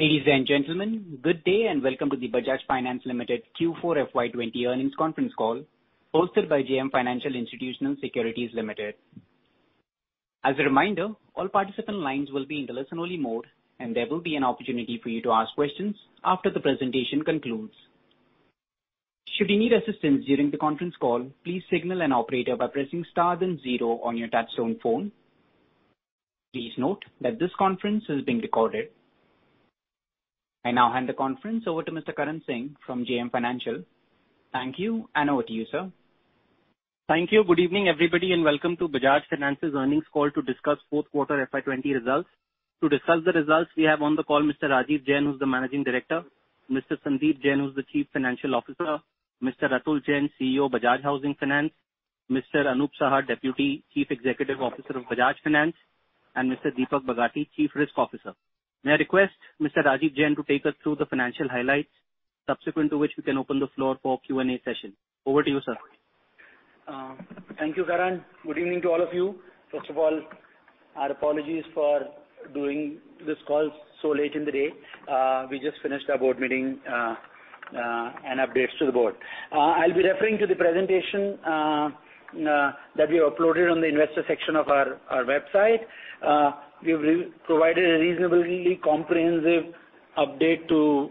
Ladies and gentlemen, good day and welcome to the Bajaj Finance Limited Q4 FY 2020 earnings conference call hosted by JM Financial Institutional Securities Limited. As a reminder, all participant lines will be in listen-only mode, and there will be an opportunity for you to ask questions after the presentation concludes. Should you need assistance during the conference call, please signal an operator by pressing star then zero on your touch-tone phone. Please note that this conference is being recorded. I now hand the conference over to Mr. Karan Singh from JM Financial. Thank you, and over to you, sir. Thank you. Good evening, everybody, and welcome to Bajaj Finance's earnings call to discuss fourth quarter FY20 results. To discuss the results we have on the call Mr. Rajeev Jain, who's the Managing Director; Mr. Sandeep Jain, who's the Chief Financial Officer; Mr. Atul Jain, CEO, Bajaj Housing Finance; Mr. Anup Saha, Deputy Chief Executive Officer of Bajaj Finance; and Mr. Deepak Bagati, Chief Risk Officer. May I request Mr. Rajeev Jain to take us through the financial highlights, subsequent to which we can open the floor for Q&A session. Over to you, sir. Thank you, Karan. Good evening to all of you. First of all, our apologies for doing this call so late in the day. We just finished our board meeting and updates to the board. I'll be referring to the presentation that we uploaded on the investor section of our website. We've provided a reasonably comprehensive update to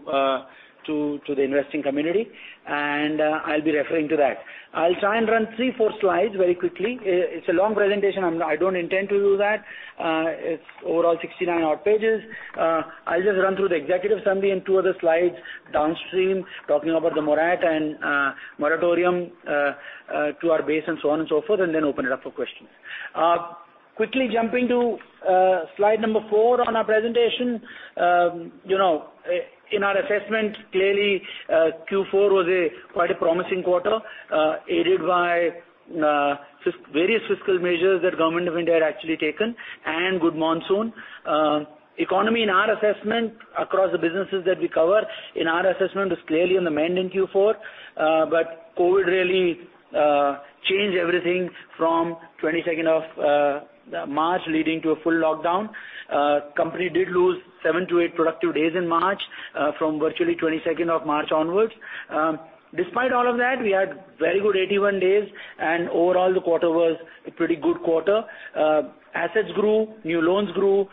the investing community, and I'll be referring to that. I'll try and run three, four slides very quickly. It's a long presentation. I don't intend to do that. It's overall 69 odd pages. I'll just run through the executive summary and two other slides downstream, talking about the moratorium and moratorium to our base and so on and so forth, and then open it up for questions. Quickly jumping to slide number four on our presentation. In our assessment, clearly, Q4 was quite a promising quarter, aided by various fiscal measures that Government of India had actually taken and good monsoon. Economy in our assessment across the businesses that we cover, in our assessment, was clearly on the mend in Q4. COVID really changed everything from 22nd of March, leading to a full lockdown. Company did lose seven to eight productive days in March, from virtually 22nd of March onwards. Despite all of that, we had very good 81 days, and overall, the quarter was a pretty good quarter. Assets grew, new loans grew,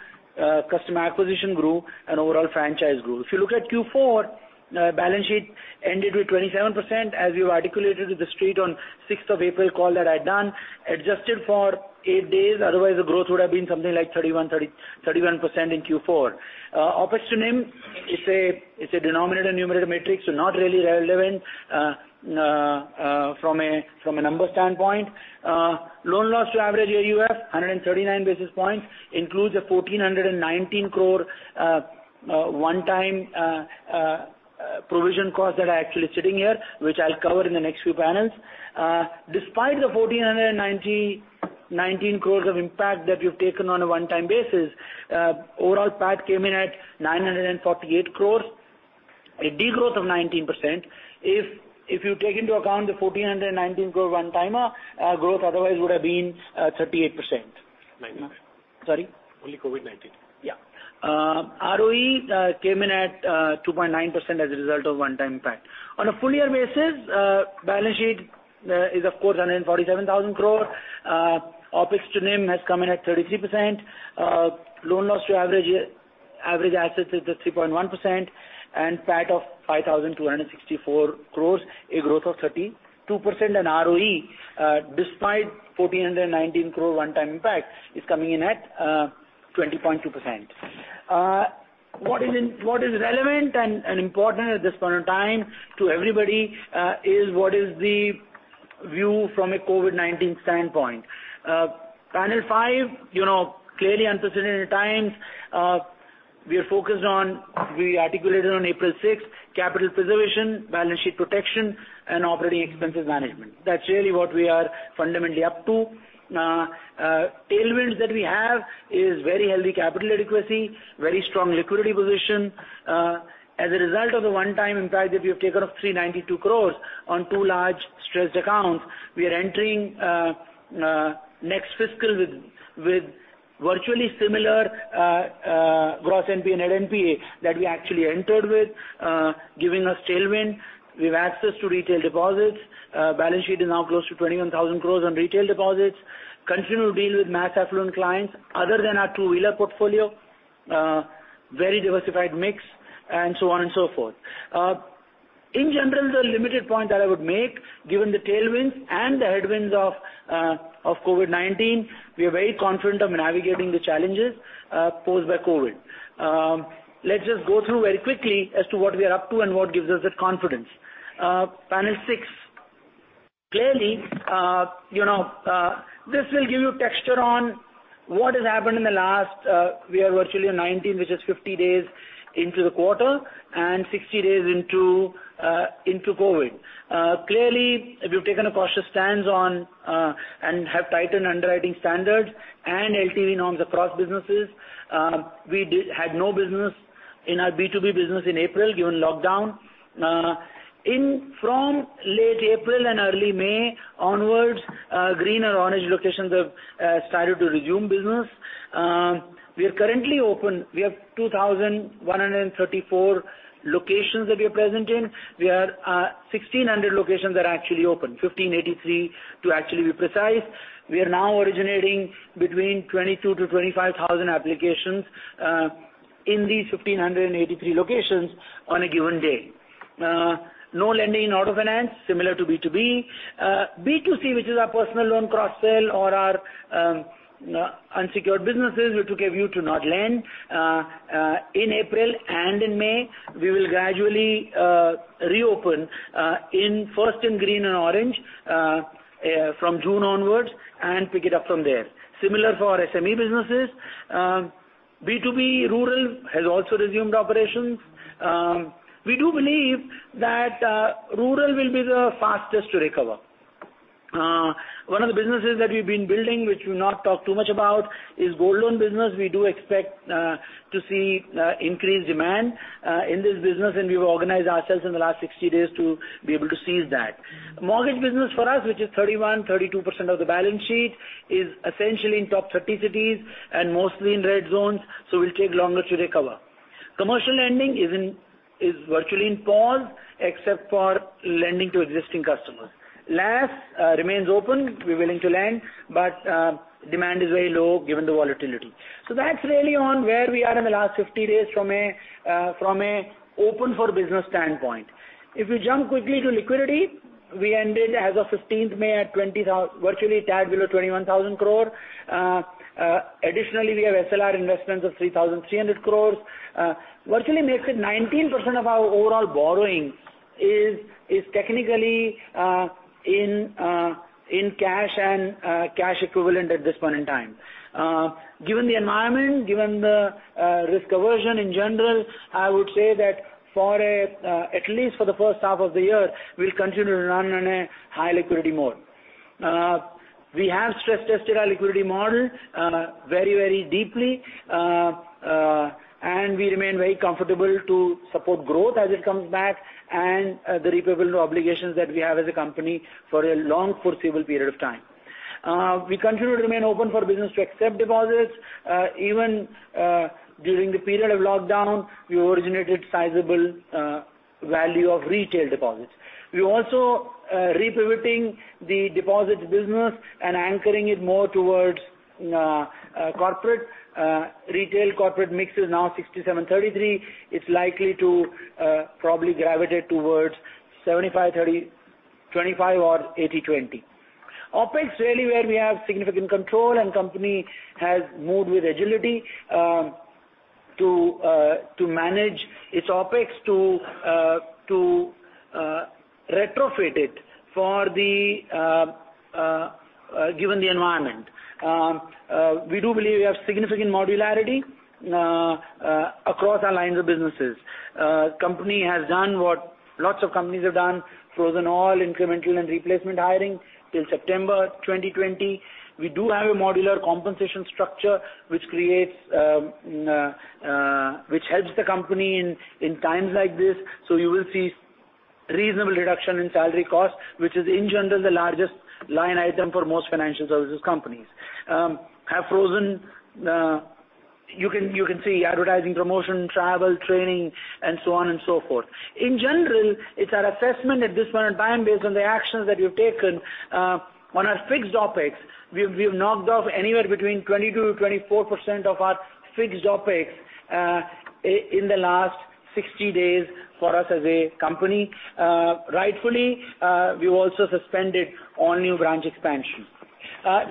customer acquisition grew, and overall franchise grew. If you look at Q4, balance sheet ended with 27%, as we've articulated with the street on 6th of April call that I'd done. Adjusted for eight days, otherwise, the growth would have been something like 31% in Q4. OpEx to NIM, it's a denominator-numerator matrix, so not really relevant from a numbers standpoint. Loan loss to average AUM, 139 basis points, includes an 1,419 crore one-time provision cost that are actually sitting here, which I'll cover in the next few panels. Despite the 1,419 crores of impact that we've taken on a one-time basis, overall PAT came in at 948 crores, a degrowth of 19%. If you take into account the 1,419 crore one-timer, our growth otherwise would have been 38%. Only COVID-19. Sorry? Only COVID-19. Yeah. ROE came in at 2.9% as a result of one-time impact. On a full-year basis, balance sheet is, of course, 147,000 crore. OpEx to NIM has come in at 33%. Loan loss to average assets is at 3.1%, PAT of 5,264 crore, a growth of 32%. ROE, despite 1,419 crore one-time impact, is coming in at 20.2%. What is relevant and important at this point in time to everybody is what is the view from a COVID-19 standpoint. Panel 5, clearly unprecedented times. We articulated on April 6th, capital preservation, balance sheet protection, and operating expenses management. That's really what we are fundamentally up to. Tailwinds that we have is very healthy capital adequacy, very strong liquidity position. As a result of the one-time impact that we have taken of 392 crore on two large stressed accounts, we are entering next fiscal with virtually similar gross NPA, net NPA that we actually entered with, giving us tailwind. We have access to retail deposits. Balance sheet is now close to 21,000 crore on retail deposits. Continue to deal with mass affluent clients other than our two-wheeler portfolio. Very diversified mix, and so on and so forth. In general, the limited point that I would make, given the tailwinds and the headwinds of COVID-19, we are very confident of navigating the challenges posed by COVID. Let's just go through very quickly as to what we are up to and what gives us that confidence. Panel six. This will give you texture on what has happened in the last, we are virtually on 19, which is 50 days into the quarter and 60 days into COVID-19. We've taken a cautious stance on and have tightened underwriting standards and LTV norms across businesses. We had no business in our B2B business in April, given lockdown. Late April and early May onwards, green and orange locations have started to resume business. We are currently open. We have 2,134 locations that we are present in, where 1,600 locations are actually open, 1,583 to actually be precise. We are now originating between 22,000 and 25,000 applications in these 1,583 locations on a given day. No lending in auto finance, similar to B2B. B2C, which is our personal loan cross-sell or our unsecured businesses, we took a view to not lend in April and in May. We will gradually reopen, first in green and orange from June onwards, and pick it up from there. Similar for SME businesses. B2B rural has also resumed operations. We do believe that rural will be the fastest to recover. One of the businesses that we've been building, which we've not talked too much about, is gold loan business. We do expect to see increased demand in this business, and we've organized ourselves in the last 60 days to be able to seize that. Mortgage business for us, which is 31%-32% of the balance sheet, is essentially in top 30 cities and mostly in red zones, so will take longer to recover. Commercial lending is virtually on pause except for lending to existing customers. LAS, remains open. We're willing to lend, but demand is very low given the volatility. That's really on where we are in the last 50 days from a open-for-business standpoint. If you jump quickly to liquidity, we ended as of 15th May at virtually a tad below 21,000 crore. Additionally, we have SLR investments of 3,300 crores. Virtually makes it 19% of our overall borrowing is technically in cash and cash equivalent at this point in time. Given the environment, given the risk aversion in general, I would say that at least for the first half of the year, we'll continue to run in a high liquidity mode. We have stress-tested our liquidity model very deeply, and we remain very comfortable to support growth as it comes back and the repayable obligations that we have as a company for a long foreseeable period of time. We continue to remain open for business to accept deposits. Even during the period of lockdown, we originated sizable value of retail deposits. We're also repivoting the deposits business and anchoring it more towards corporate. Retail-corporate mix is now 67/33. It's likely to probably gravitate towards 75/25 or 80/20. OpEx, really where we have significant control, company has moved with agility to manage its OpEx to retrofit it given the environment. We do believe we have significant modularity across our lines of businesses. Company has done what lots of companies have done, frozen all incremental and replacement hiring till September 2020. We do have a modular compensation structure, which helps the company in times like this. You will see reasonable reduction in salary cost, which is, in general, the largest line item for most financial services companies. Have frozen, you can see, advertising, promotion, travel, training, and so on and so forth. In general, it's our assessment at this point in time based on the actions that we've taken on our fixed OpEx. We've knocked off anywhere between 22%-24% of our fixed OpEx in the last 60 days for us as a company. Rightfully, we've also suspended all new branch expansion.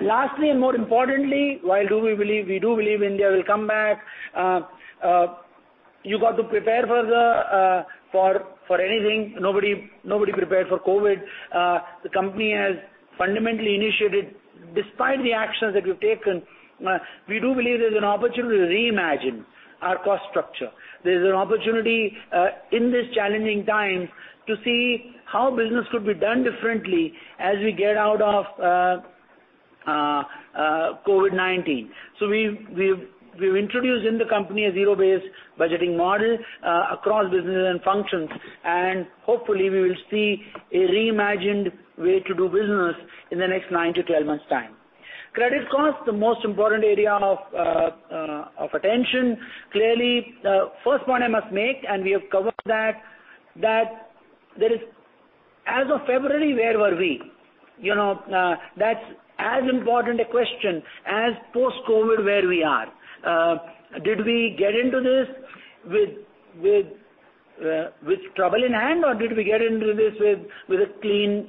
Lastly, and more importantly, while we do believe India will come back, you got to prepare for anything. Nobody prepared for COVID-19. The company has fundamentally initiated. Despite the actions that we've taken, we do believe there's an opportunity to reimagine our cost structure. There's an opportunity in this challenging time to see how business could be done differently as we get out of COVID-19. We've introduced in the company a zero-based budgeting model across businesses and functions, and hopefully, we will see a reimagined way to do business in the next 9-12 months' time. Credit cost, the most important area of attention. The first point I must make, and we have covered that, as of February, where were we? That's as important a question as post-COVID-19, where we are. Did we get into this with trouble in hand, or did we get into this with a clean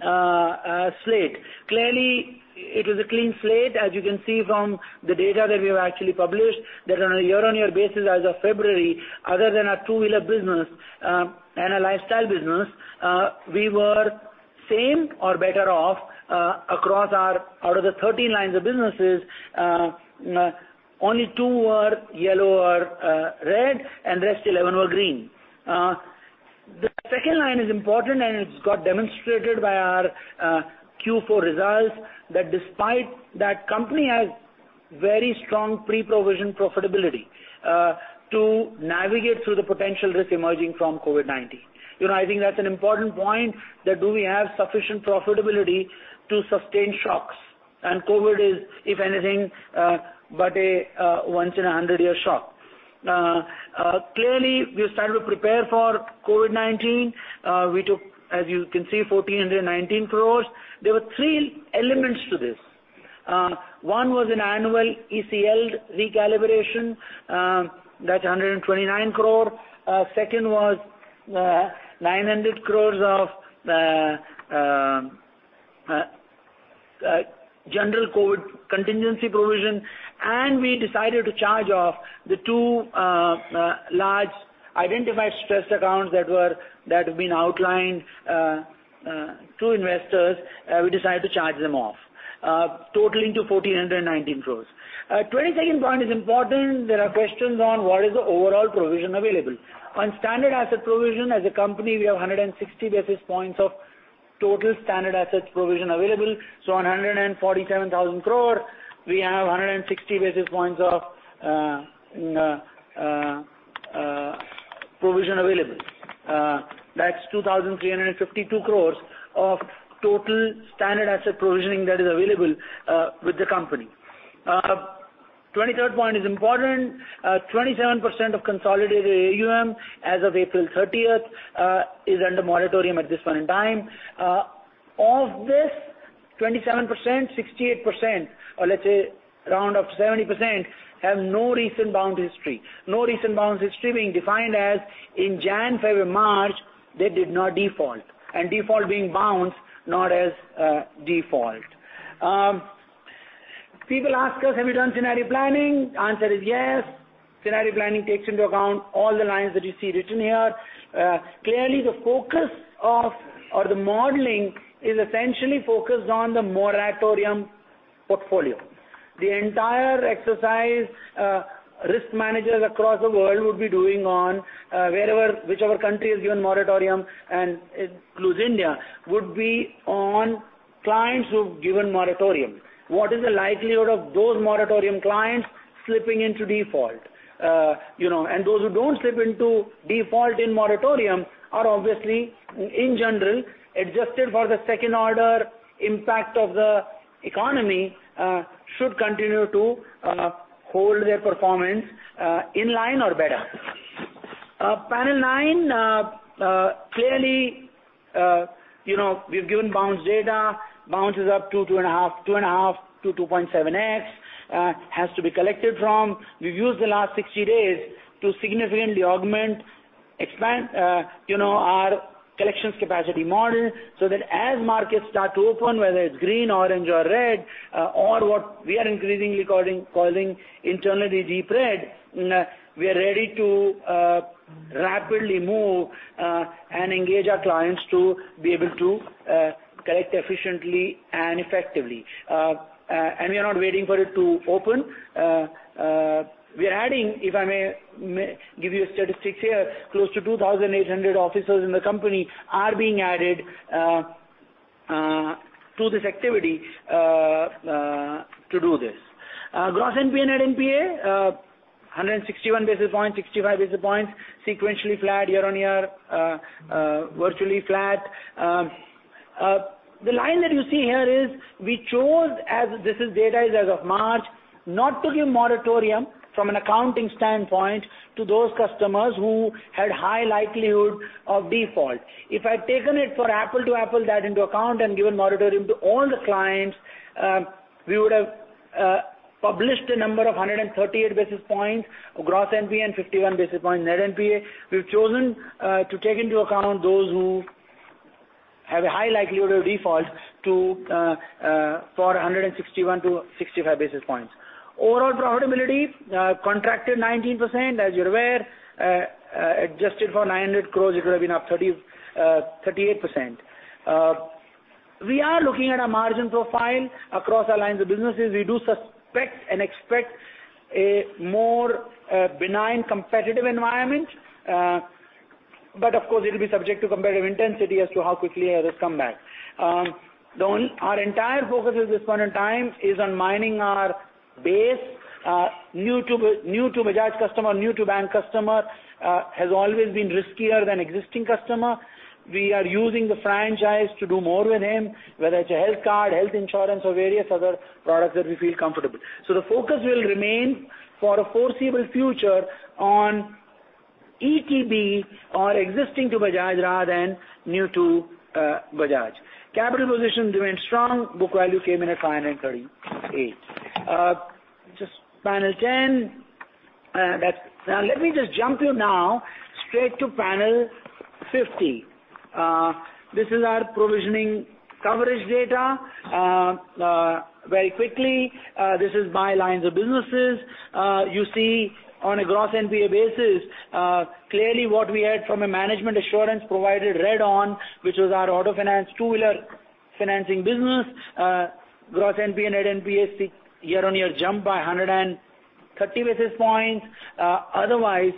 slate? It was a clean slate. As you can see from the data that we have actually published, that on a year-on-year basis as of February, other than our two-wheeler business and our lifestyle business, we were same or better off across out of the 13 lines of businesses, only two were yellow or red, and rest 11 were green. The second line is important, it's got demonstrated by our Q4 results that despite that company has very strong pre-provision profitability to navigate through the potential risk emerging from COVID-19. I think that's an important point, that do we have sufficient profitability to sustain shocks? COVID is, if anything, but a once in 100-year shock. Clearly, we have started to prepare for COVID-19. We took, as you can see, 1,419 crore. There were three elements to this. One was an annual ECL recalibration, that's 129 crore. Second was 900 crore of general COVID contingency provision, we decided to charge off the two large identified stressed accounts that have been outlined to investors. We decided to charge them off, totaling to 1,419 crore. 22nd point is important. There are questions on what is the overall provision available. On standard asset provision, as a company, we have 160 basis points of total standard assets provision available. On 147,000 crore, we have 160 basis points of provision available. That's 2,352 crores of total standard asset provisioning that is available with the company. 23rd point is important. 27% of consolidated AUM as of April 30th is under moratorium at this point in time. Of this 27%, 68%, or let's say round up to 70%, have no recent bounce history. No recent bounce history being defined as in January, February, March, they did not default, and default being bounced, not as default. People ask us, have we done scenario planning? Answer is yes. Scenario planning takes into account all the lines that you see written here. Clearly, the focus of, or the modeling is essentially focused on the moratorium portfolio. The entire exercise risk managers across the world would be doing on whichever country is given moratorium, and it includes India, would be on clients who've given moratorium. What is the likelihood of those moratorium clients slipping into default? Those who don't slip into default in moratorium are obviously, in general, adjusted for the second-order impact of the economy should continue to hold their performance in line or better. Panel 9, clearly we've given bounce data. Bounce is up 2.5-2.7x, has to be collected from. We've used the last 60 days to significantly augment, expand our collections capacity model so that as markets start to open, whether it's green, orange or red, or what we are increasingly calling internally deep red, we are ready to rapidly move and engage our clients to be able to collect efficiently and effectively. We are not waiting for it to open. We are adding, if I may give you statistics here, close to 2,800 officers in the company are being added to this activity to do this. Gross NPA, net NPA, 161 basis points, 65 basis points, sequentially flat year-on-year, virtually flat. The line that you see here is, we chose, as this data is as of March, not to give moratorium from an accounting standpoint to those customers who had high likelihood of default. If I'd taken it for apple-to-apple that into account and given moratorium to all the clients, we would have published a number of 138 basis points of gross NPA and 51 basis points net NPA. We've chosen to take into account those who have a high likelihood of defaults for 161 to 65 basis points. Overall profitability contracted 19%, as you're aware. Adjusted for 900 crores, it would have been up 38%. We are looking at our margin profile across our lines of businesses. We do suspect and expect a more benign competitive environment. Of course, it'll be subject to competitive intensity as to how quickly others come back. Our entire focus at this point in time is on mining our base. New to Bajaj customer, new to bank customer has always been riskier than existing customer. We are using the franchise to do more with him, whether it's a health card, health insurance, or various other products that we feel comfortable. The focus will remain for the foreseeable future on ETB or existing to Bajaj rather than new to Bajaj. Capital position remains strong. Book value came in at 538. Just panel 10. Let me just jump you now straight to panel 15. This is our provisioning coverage data. Very quickly, this is by lines of businesses. You see on a gross NPA basis, clearly what we had from a management assurance provider read on, which was our auto finance two-wheeler financing business. Gross NPA, net NPA year-on-year jump by 30 basis points. Otherwise,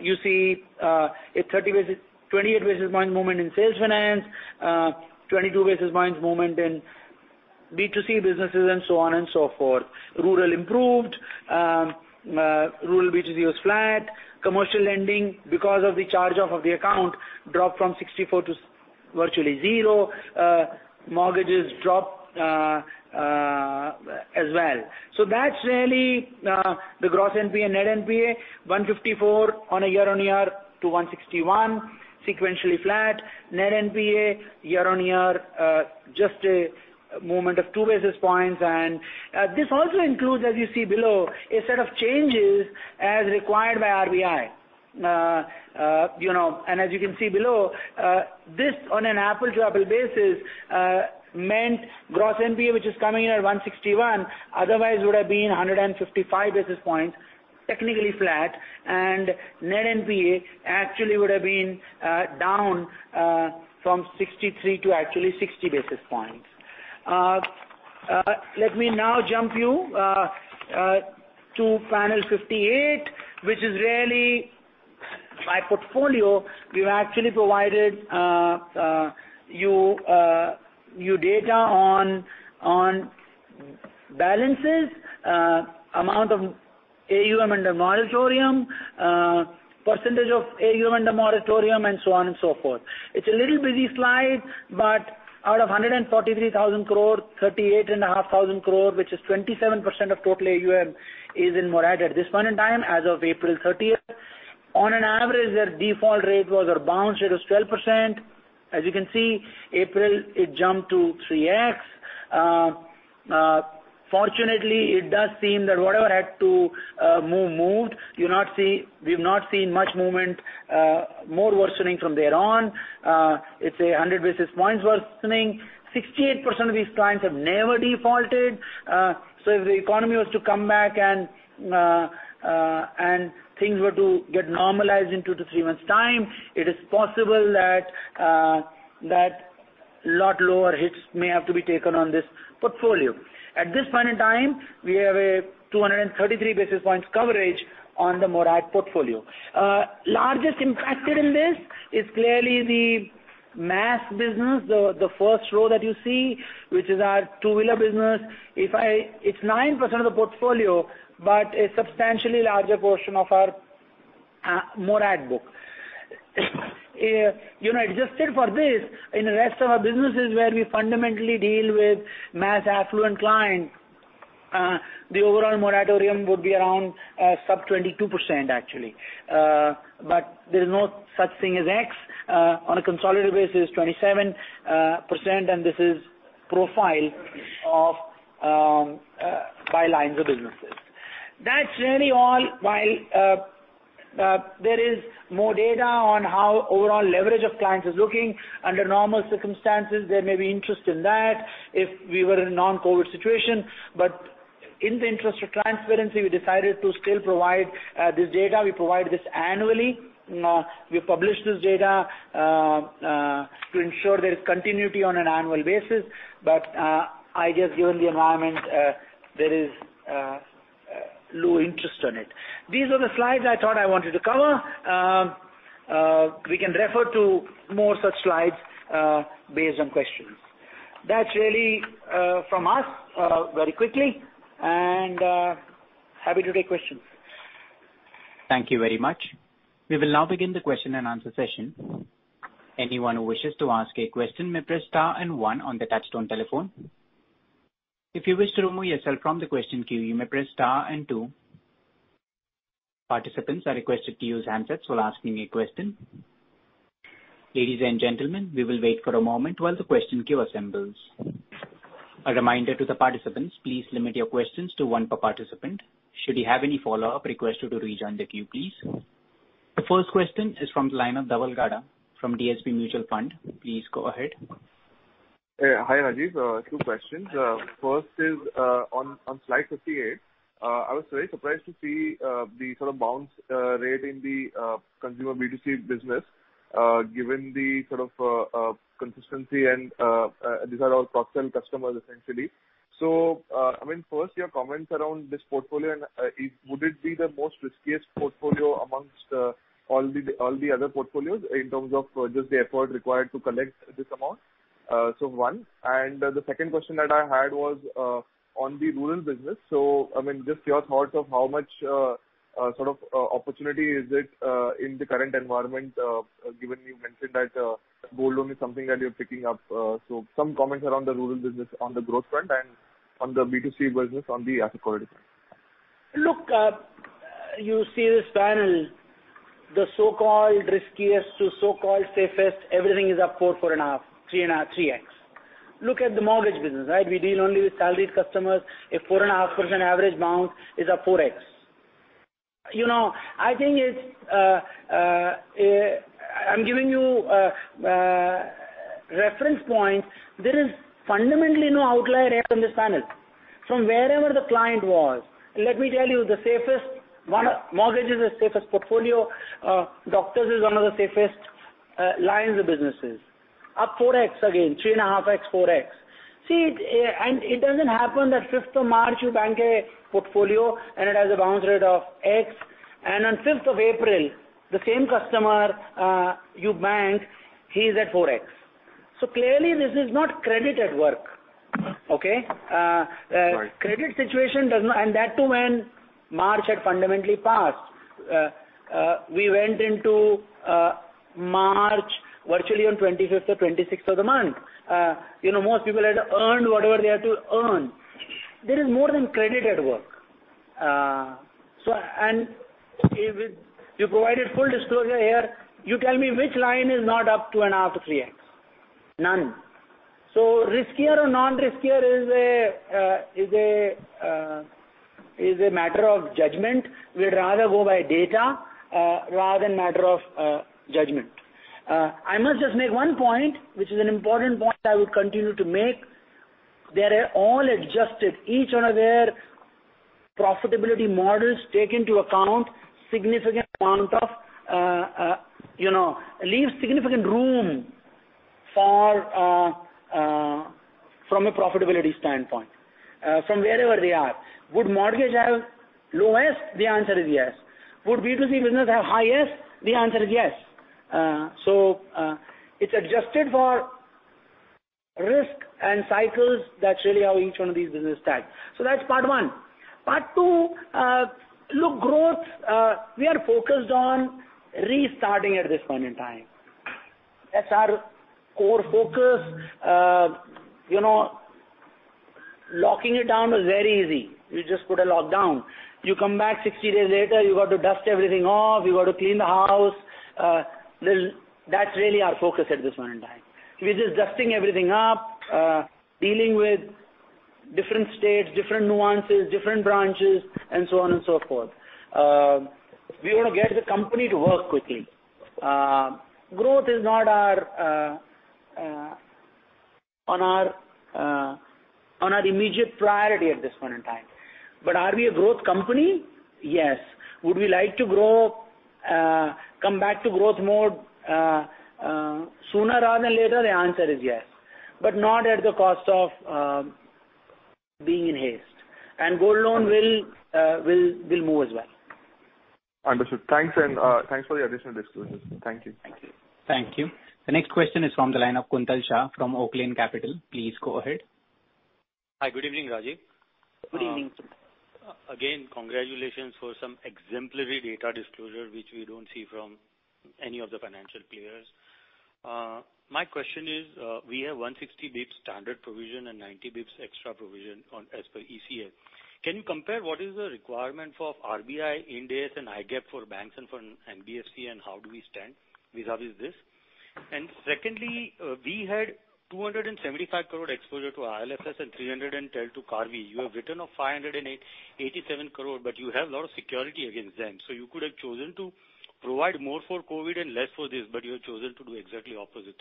you see a 28 basis point movement in sales finance, 22 basis points movement in B2C businesses, and so on and so forth. Rural improved. Rural B2C was flat. Commercial lending, because of the charge-off of the account, dropped from 64 to virtually zero. Mortgages dropped as well. That's really the gross NPA, net NPA, 154 on a year-on-year to 161, sequentially flat. Net NPA year-on-year, just a movement of two basis points. This also includes, as you see below, a set of changes as required by RBI. As you can see below, this on an apple-to-apple basis meant gross NPA, which is coming in at 161, otherwise would have been 155 basis points, technically flat, and net NPA actually would have been down from 63 to actually 60 basis points. Let me now jump you to panel 58, which is really my portfolio. We've actually provided you data on balances, amount of AUM under moratorium, percentage of AUM under moratorium, and so on and so forth. It's a little busy slide, but out of 143,000 crore, 38,500 crore, which is 27% of total AUM, is in moratorium at this point in time as of April 30th. On an average, their default rate was, or bounce rate was 12%. As you can see, April, it jumped to 3x. Fortunately, it does seem that whatever had to move moved. We've not seen much movement more worsening from there on. It's 100 basis points worsening. 68% of these clients have never defaulted. If the economy was to come back and things were to get normalized in two to three months' time, it is possible that a lot lower hits may have to be taken on this portfolio. At this point in time, we have a 233 basis points coverage on the morat portfolio. Largest impacted in this is clearly the mass business, the first row that you see, which is our two-wheeler business. It's 9% of the portfolio, a substantially larger portion of our morat book. Adjusted for this, in the rest of our businesses where we fundamentally deal with mass affluent clients, the overall moratorium would be around sub 22%, actually. There is no such thing as ex. On a consolidated basis, 27%, and this is profile by lines of businesses. That's really all. While there is more data on how overall leverage of clients is looking under normal circumstances, there may be interest in that if we were in a non-COVID situation. In the interest of transparency, we decided to still provide this data. We provide this annually. We publish this data to ensure there is continuity on an annual basis. I guess given the environment, there is low interest in it. These are the slides I thought I wanted to cover. We can refer to more such slides based on questions. That's really from us very quickly, and happy to take questions. Thank you very much. We will now begin the question and answer session. Anyone who wishes to ask a question may press star and one on the touch-tone telephone. If you wish to remove yourself from the question queue, you may press star and two. Participants are requested to use handsets while asking a question. Ladies and gentlemen, we will wait for a moment while the question queue assembles. A reminder to the participants, please limit your questions to one per participant. Should you have any follow-up, request you to rejoin the queue, please. The first question is from Linus Dhabolkar from DSP Mutual Fund. Please go ahead. Hi, Rajeev. Two questions. First is, on slide 58, I was very surprised to see the sort of bounce rate in the consumer B2C business, given the sort of consistency, and these are all cross-sell customers, essentially. First, your comments around this portfolio, and would it be the most riskiest portfolio amongst all the other portfolios in terms of just the effort required to collect this amount? One. The second question that I had was on the rural business. Just your thoughts of how much sort of opportunity is it in the current environment given you mentioned that gold loan is something that you're picking up. Some comments around the rural business on the growth front and on the B2C business on the asset quality front. Look, you see this panel, the so-called riskiest to so-called safest, everything is up 4.5, 3x. Look at the mortgage business, right? We deal only with salaried customers. A 4.5% average bounce is up 4x. I'm giving you a reference point. There is fundamentally no outlier here on this panel. From wherever the client was, let me tell you, the safest, mortgage is the safest portfolio. Doctors is one of the safest lines of businesses. Up 4x again, 3.5x, 4x. See, it doesn't happen that 5th of March you bank a portfolio and it has a bounce rate of X, on 5th of April, the same customer you bank, he's at 4x. Clearly this is not credit at work. Okay. Right. Credit situation does not. That too when March had fundamentally passed. We went into March virtually on 25th or 26th of the month. Most people had earned whatever they had to earn. There is more than credit at work. You provided full disclosure here. You tell me which line is not up two and a half to 3X. None. Riskier or non-riskier is a matter of judgment. We'd rather go by data rather than matter of judgment. I must just make one point, which is an important point I would continue to make. They are all adjusted. Each one of their profitability models take into account leave significant room from a profitability standpoint from wherever they are. Would mortgage have lowest? The answer is yes. Would B2C business have highest? The answer is yes. It's adjusted for risk and cycles. That's really how each one of these business stack. That's part one. Part two, look, growth, we are focused on restarting at this point in time. That's our core focus. Locking it down was very easy. You just put a lockdown. You come back 60 days later, you've got to dust everything off. You've got to clean the house. That's really our focus at this point in time. We're just dusting everything up, dealing with different states, different nuances, different branches, and so on and so forth. We want to get the company to work quickly. Growth is not on our immediate priority at this point in time. Are we a growth company? Yes. Would we like to grow, come back to growth mode sooner rather than later? The answer is yes. Not at the cost of being in haste. Gold loan will move as well. Understood. Thanks for the additional disclosures. Thank you. Thank you. Thank you. The next question is from the line of Kuntal Shah from Oaklane Capital. Please go ahead. Hi. Good evening, Rajeev. Good evening. Again, congratulations for some exemplary data disclosure, which we don't see from any of the financial players. My question is, we have 160 basis points standard provision and 90 basis points extra provision as per ECL. Can you compare what is the requirement for RBI Ind AS and Indian GAAP for banks and for NBFC, and how do we stand vis-à-vis this? Secondly, we had 275 crore exposure to IL&FS and 312 to Karvy. You have written off 587 crore, but you have a lot of security against them, so you could have chosen to provide more for COVID and less for this, but you have chosen to do exactly opposite.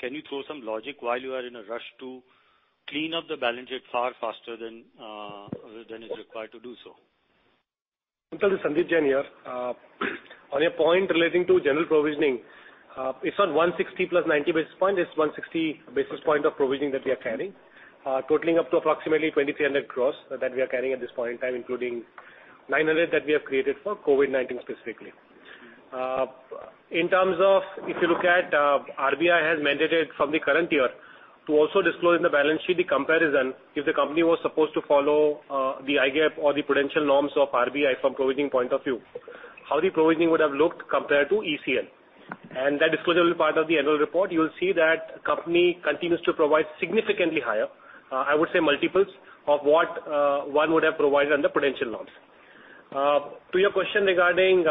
Can you throw some logic why you are in a rush to clean up the balance sheet far faster than is required to do so? Kuntal, this is Sandeep Jain here. On your point relating to general provisioning, it's not 160 plus 90 basis point. It's 160 basis point of provisioning that we are carrying, totaling up to approximately 2,300 crore that we are carrying at this point in time, including 900 crore that we have created for COVID-19 specifically. In terms of, if you look at, RBI has mandated from the current year to also disclose in the balance sheet the comparison if the company was supposed to follow the Indian GAAP or the Prudential norms of RBI from provisioning point of view, how the provisioning would have looked compared to ECL. That disclosure will be part of the annual report. You will see that company continues to provide significantly higher, I would say multiples of what one would have provided under Prudential norms. To your question regarding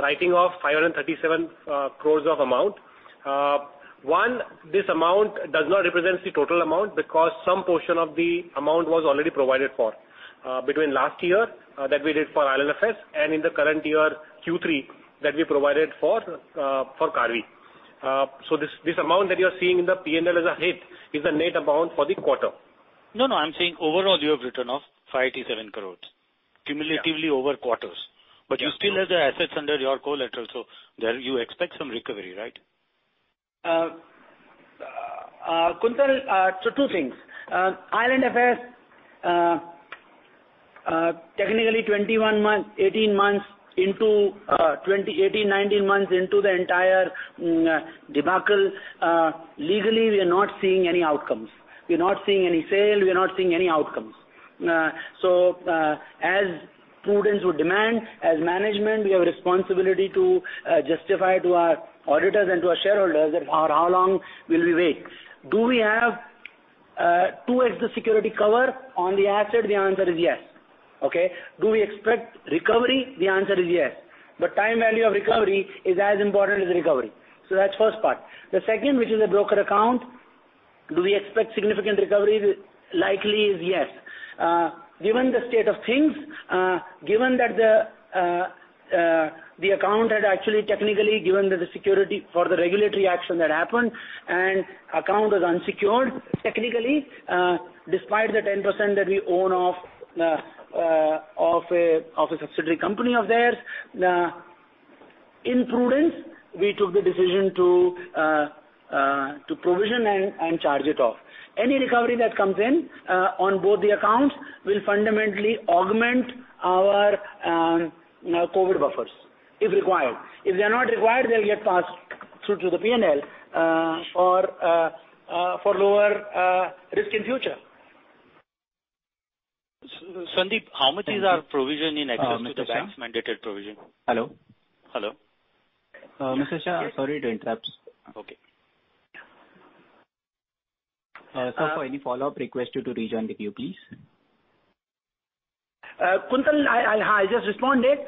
writing off 537 crore of amount. This amount does not represent the total amount because some portion of the amount was already provided for between last year that we did for IL&FS and in the current year, Q3, that we provided for Karvy. This amount that you are seeing in the P&L as a hit is the net amount for the quarter. No, I'm saying overall, you have written off 587 crores cumulatively over quarters. Yeah. You still have the assets under your collateral, so there you expect some recovery, right? Kuntal, two things. IL&FS, technically 21 months, 18 months into 2018, 19 months into the entire debacle. Legally, we are not seeing any outcomes. We are not seeing any sale. We are not seeing any outcomes. As prudence would demand, as management, we have a responsibility to justify to our auditors and to our shareholders that for how long will we wait. Do we have 2X the security cover on the asset? The answer is yes. Okay? Do we expect recovery? The answer is yes. Time value of recovery is as important as recovery. That's first part. The second, which is a broker account, do we expect significant recovery? Likely is yes. Given the state of things, given that the account had actually technically given the security for the regulatory action that happened and account was unsecured technically, despite the 10% that we own off a subsidiary company of theirs, in prudence, we took the decision to provision and charge it off. Any recovery that comes in on both the accounts will fundamentally augment our COVID buffers, if required. If they're not required, they'll get passed through to the P&L for lower risk in future. Sandeep, how much is our provision in excess to the bank's mandated provision? Mr. Shah? Hello? Hello. Mr. Shah, sorry to interrupt. Okay. Sir, for any follow-up, request you to rejoin the queue, please. Kuntal, I just responded.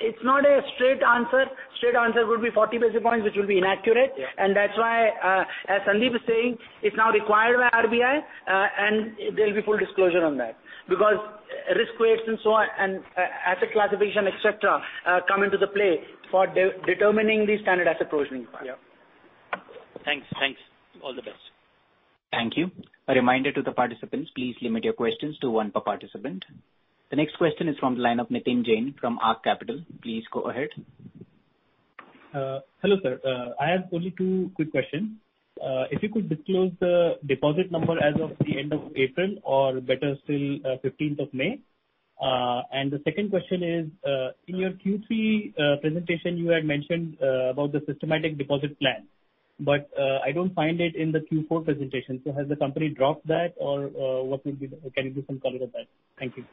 It's not a straight answer. Straight answer would be 40 basis points, which will be inaccurate. Yeah. That's why, as Sandeep is saying, it's now required by RBI, and there'll be full disclosure on that because risk weights and so on, and asset classification, et cetera, come into the play for determining the standard asset provisioning requirement. Yeah. Thanks. All the best. Thank you. A reminder to the participants, please limit your questions to one per participant. The next question is from the line of Nitin Jain from Ark Capital. Please go ahead. Hello, sir. I have only two quick questions. If you could disclose the deposit number as of the end of April, or better still, 15th of May. The second question is, in your Q3 presentation, you had mentioned about the Systematic Deposit Plan. I don't find it in the Q4 presentation. Has the company dropped that, or can you do some color on that? Thank you.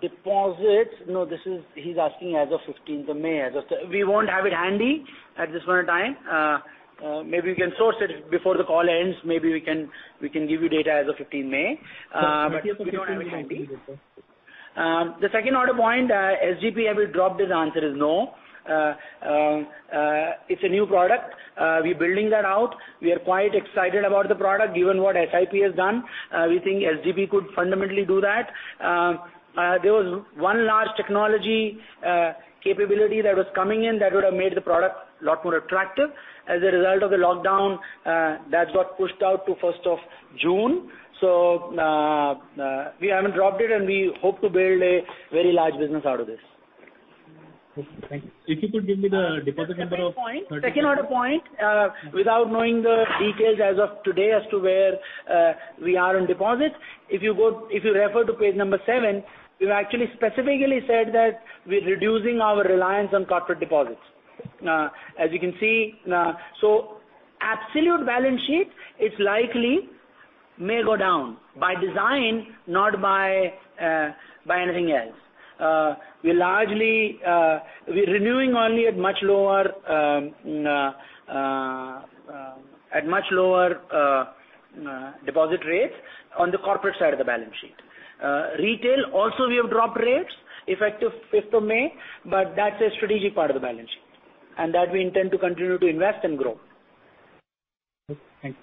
Deposits. No, he's asking as of 15th of May. We won't have it handy at this point in time. Maybe we can source it before the call ends. Maybe we can give you data as of 15 May. We don't have it handy. The second order point, has SDP been dropped? The answer is no. It's a new product. We're building that out. We are quite excited about the product, given what SIP has done. We think SGP could fundamentally do that. There was one large technology capability that was coming in that would have made the product a lot more attractive. As a result of the lockdown, that got pushed out to 1st of June. We haven't dropped it, and we hope to build a very large business out of this. Okay, thank you. If you could give me the deposit number of. Second order point, without knowing the details as of today as to where we are on deposits. If you refer to page number seven, we've actually specifically said that we're reducing our reliance on corporate deposits. As you can see, absolute balance sheet, it likely may go down by design, not by anything else. We're renewing only at much lower deposit rates on the corporate side of the balance sheet. Retail, also we have dropped rates effective 5th of May, but that's a strategic part of the balance sheet, and that we intend to continue to invest and grow. Okay, thank you.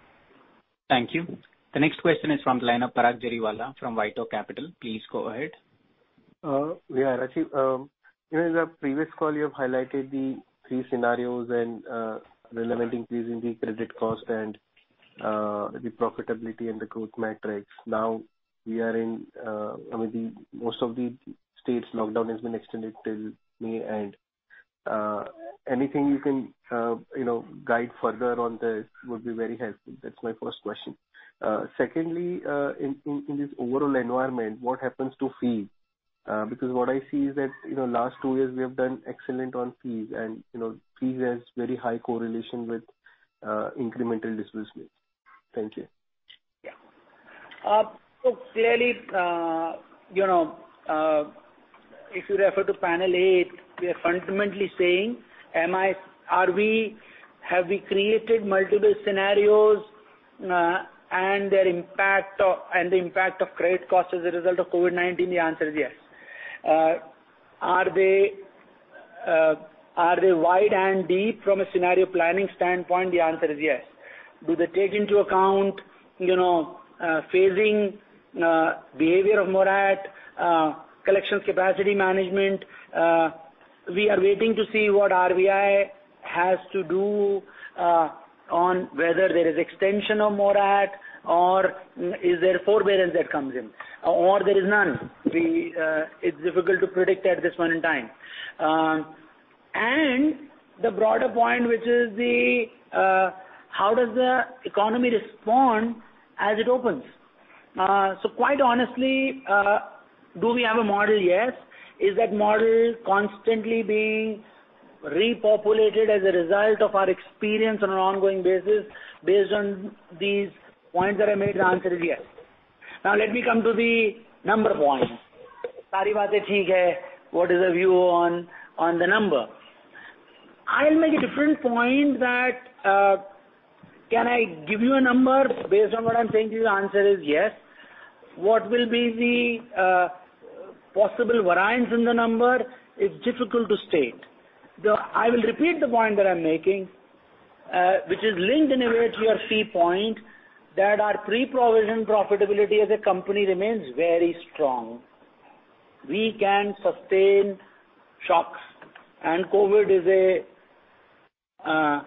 Thank you. The next question is from the line of Parag Jariwala from White Oak Capital. Please go ahead. Actually, in the previous call, you have highlighted the three scenarios and the relevant increase in the credit cost and the profitability and the growth matrix. Now, most of the states' lockdown has been extended till May end. Anything you can guide further on this would be very helpful. That's my first question. Secondly, in this overall environment, what happens to fees? Because what I see is that last two years, we have done excellent on fees, and fees has very high correlation with incremental disbursements. Thank you. Clearly, if you refer to panel eight, we are fundamentally saying, have we created multiple scenarios and the impact of credit cost as a result of COVID-19? The answer is yes. Are they wide and deep from a scenario planning standpoint? The answer is yes. Do they take into account phasing behavior of moratorium, collection capacity management? We are waiting to see what RBI has to do on whether there is extension of moratorium or is there forbearance that comes in, or there is none. It's difficult to predict at this point in time. The broader point, which is how does the economy respond as it opens? Quite honestly, do we have a model? Yes. Is that model constantly being repopulated as a result of our experience on an ongoing basis based on these points that I made? The answer is yes. Let me come to the number point. What is the view on the number? I'll make a different point that, can I give you a number based on what I'm saying to you? The answer is yes. What will be the possible variance in the number? It's difficult to state. I will repeat the point that I'm making, which is linked in a way to your fee point, that our pre-provision profitability as a company remains very strong. We can sustain shocks, and COVID is a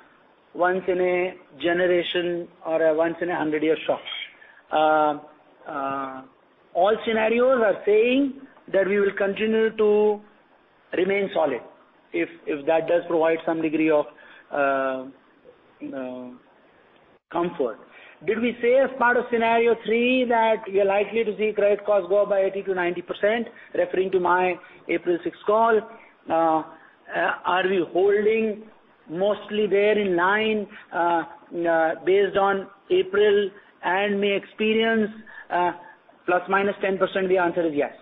once in a generation or a once in a 100-year shock. All scenarios are saying that we will continue to remain solid, if that does provide some degree of comfort. Did we say as part of scenario three that we are likely to see credit costs go up by 80%-90%, referring to my April 6 call? Are we holding mostly there in line based on April and May experience, ±10%? The answer is yes.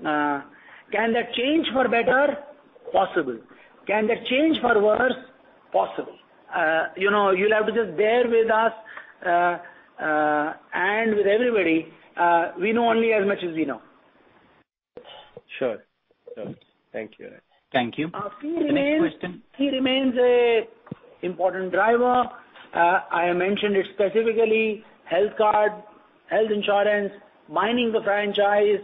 Can that change for better? Possible. Can that change for worse? Possible. You'll have to just bear with us, and with everybody. We know only as much as we know. Sure. Thank you. Thank you. The next question? Fee remains a important driver. I mentioned it specifically, Health Card, health insurance, mining the franchise,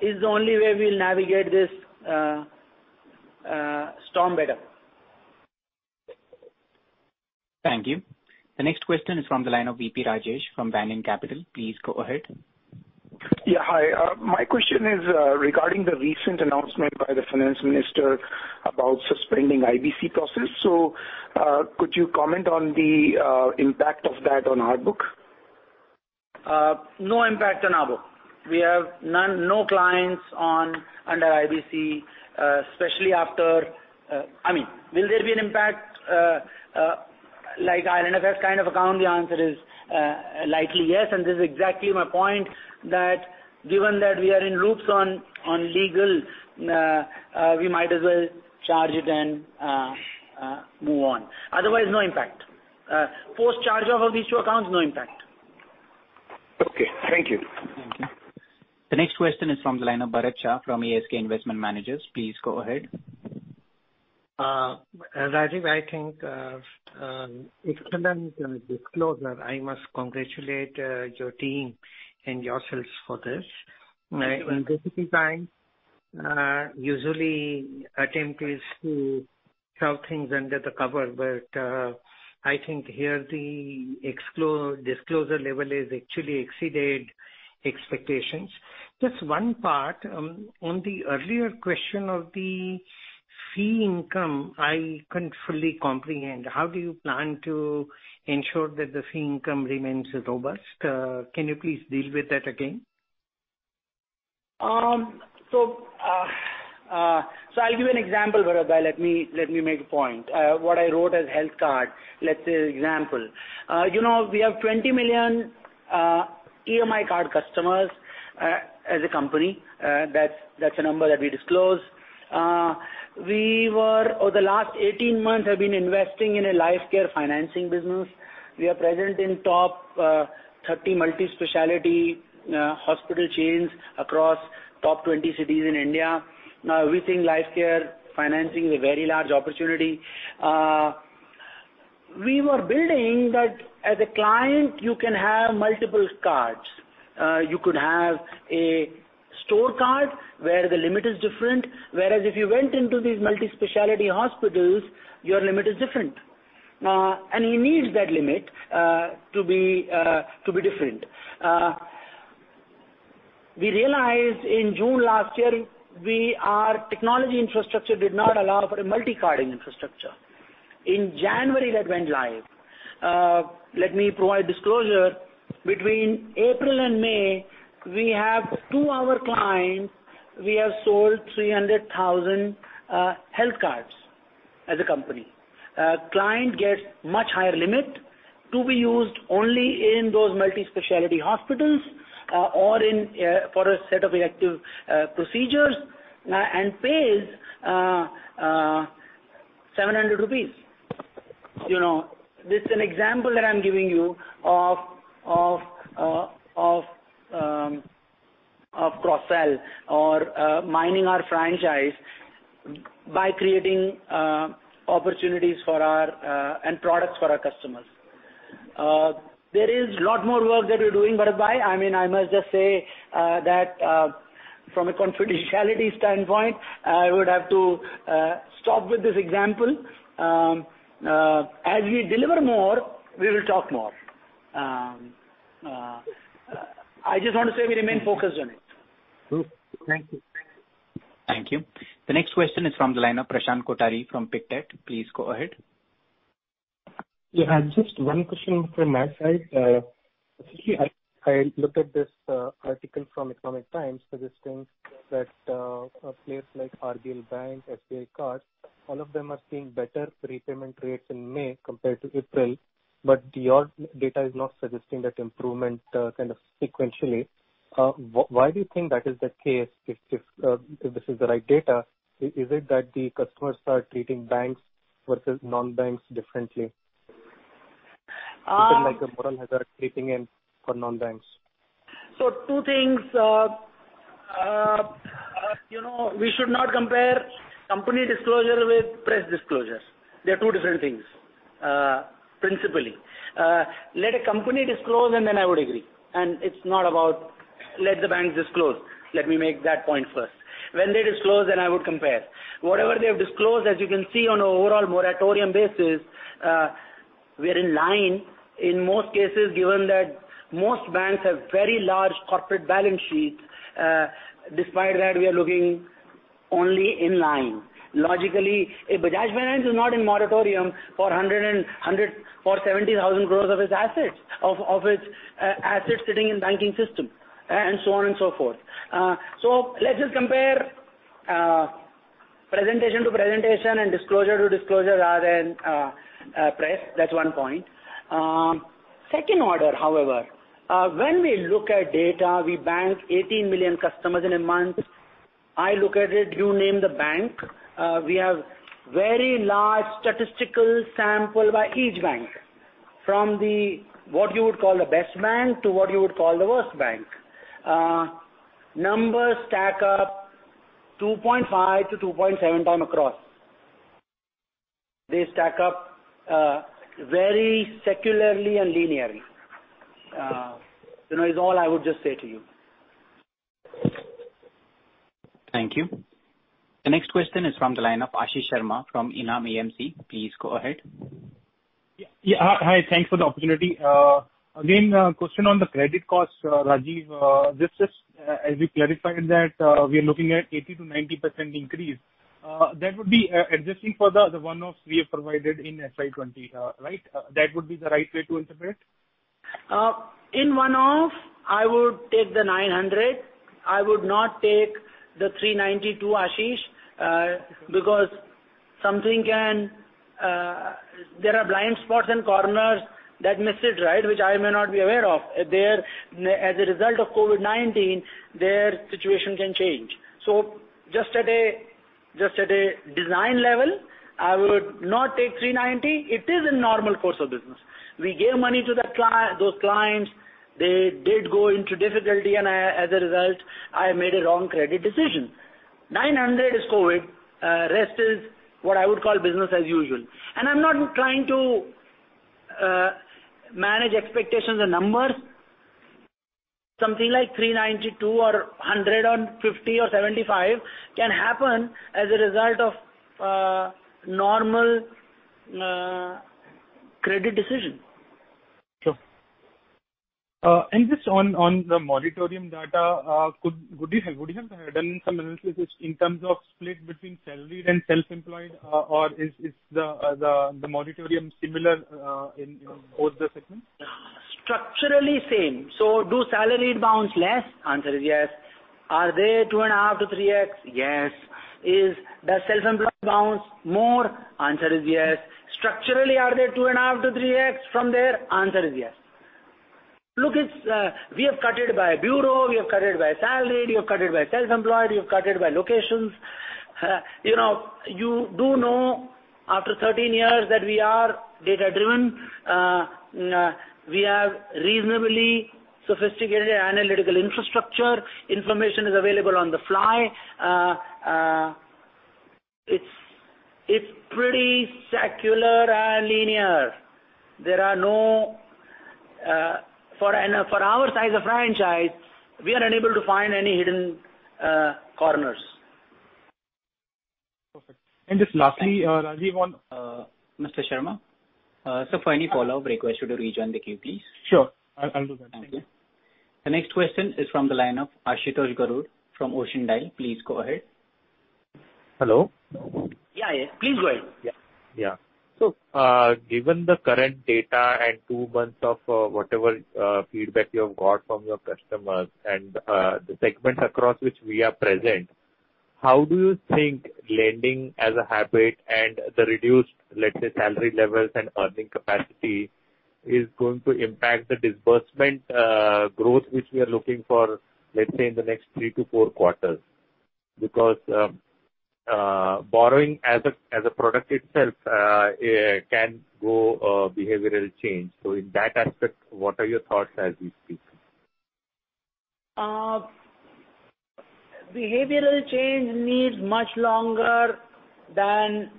is the only way we'll navigate this storm better. Thank you. The next question is from the line of VP Rajesh from Banyan Capital. Please go ahead. Yeah, hi. My question is regarding the recent announcement by the finance minister about suspending IBC process. Could you comment on the impact of that on our book? No impact on our book. We have no clients under IBC, especially after Will there be an impact like IL&FS kind of account? The answer is likely yes, and this is exactly my point, that given that we are in loops on legal, we might as well charge it and move on. Otherwise, no impact. Post charge-off of these two accounts, no impact. Okay. Thank you. Thank you. The next question is from the line of Bharat Shah from ASK Investment Managers. Please go ahead. Rajeev, I think excellent disclosure. I must congratulate your team and yourselves for this. Thank you. Usually attempt is to shove things under the cover, but I think here the disclosure level has actually exceeded expectations. Just one part, on the earlier question of the fee income, I couldn't fully comprehend. How do you plan to ensure that the fee income remains robust? Can you please deal with that again? I'll give you an example, Bharat. Let me make a point. What I wrote as health card, let's say example. We have 20 million EMI Card customers as a company. That's a number that we disclosed. Over the last 18 months have been investing in a life care financing business. We are present in top 30 multi-specialty hospital chains across top 20 cities in India. We think life care financing is a very large opportunity. We were building that as a client, you can have multiple cards. You could have a store card where the limit is different, whereas if you went into these multi-specialty hospitals, your limit is different. He needs that limit to be different. We realized in June last year, our technology infrastructure did not allow for a multi-carding infrastructure. In January, that went live. Let me provide disclosure. Between April and May, to our clients, we have sold 300,000 health cards as a company. Client gets much higher limit to be used only in those multi-specialty hospitals or for a set of elective procedures, and pays 700 rupees. This is an example that I'm giving you of cross-sell or mining our franchise by creating opportunities and products for our customers. There is a lot more work that we're doing, Bharat. I must just say that from a confidentiality standpoint, I would have to stop with this example. As we deliver more, we will talk more. I just want to say we remain focused on it. Good. Thank you. Thank you. The next question is from the line of Prashant Kothari from Pictet. Please go ahead. Yeah. Just one question from my side. Specifically, I looked at this article from The Economic Times suggesting that a place like RBL Bank, SBI Card, all of them are seeing better prepayment rates in May compared to April, but your data is not suggesting that improvement kind of sequentially. Why do you think that is the case, if this is the right data? Is it that the customers are treating banks versus non-banks differently, something like a moral hazard creeping in for non-banks? Two things. We should not compare company disclosure with press disclosures. They're two different things, principally. Let a company disclose and then I would agree. Let the banks disclose. Let me make that point first. When they disclose, I would compare. Whatever they have disclosed, as you can see on a overall moratorium basis, we are in line in most cases, given that most banks have very large corporate balance sheets. Despite that, we are looking only in line. Logically, Bajaj Finance is not in moratorium for 70,000 crore of its assets sitting in banking system, and so on and so forth. Let's just compare presentation to presentation and disclosure to disclosure rather than press. That's one point. Second order, however, when we look at data, we bank 18 million customers in a month. I look at it, you name the bank. We have very large statistical sample by each bank, from what you would call the best bank to what you would call the worst bank. Numbers stack up 2.5-2.7 times across. They stack up very secularly and linearly. Is all I would just say to you. Thank you. The next question is from the line of Ashish Sharma from ENAM AMC. Please go ahead. Yeah. Hi. Thanks for the opportunity. Again, question on the credit cost, Rajeev. Just as we clarified that we are looking at 80%-90% increase, that would be adjusting for the one-offs we have provided in FY 2020, right? That would be the right way to interpret? In one-off, I would take the 900. I would not take the 392, Ashish, because there are blind spots and corners that miss it, right, which I may not be aware of. As a result of COVID-19, their situation can change. Just at a design level, I would not take 390. It is a normal course of business. We gave money to those clients. They did go into difficulty, and as a result, I made a wrong credit decision. 900 is COVID, rest is what I would call business as usual. I'm not trying to manage expectations and numbers. Something like 392 or 150 or 75 can happen as a result of normal credit decision. Sure. Just on the moratorium data, would you have done some analysis in terms of split between salaried and self-employed, or is the moratorium similar in both the segments? Structurally same. Do salaried bounce less? Answer is yes. Are they 2.5x-3x? Yes. Does self-employed bounce more? Answer is yes. Structurally, are they 2.5x-3x from there? Answer is yes. Look, we have cut it by bureau, we have cut it by salaried, we have cut it by self-employed, we have cut it by locations. You do know after 13 years that we are data-driven. We have reasonably sophisticated analytical infrastructure. Information is available on the fly. It's pretty secular and linear. For our size of franchise, we are unable to find any hidden corners. Perfect. just lastly, Rajeev on- Mr. Sharma. For any follow-up request, you to rejoin the queue, please. Sure. I'll do that. Thank you. Thank you. The next question is from the line of Ashutosh Garud from Ocean Dial. Please go ahead. Hello. Yeah. Please go ahead. Yeah. Given the current data and two months of whatever feedback you have got from your customers and the segments across which we are present, how do you think lending as a habit and the reduced, let's say, salary levels and earning capacity is going to impact the disbursement growth which we are looking for, let's say, in the next three to four quarters? Because borrowing as a product itself can go behavioral change. In that aspect, what are your thoughts as we speak? Behavioral change needs much longer than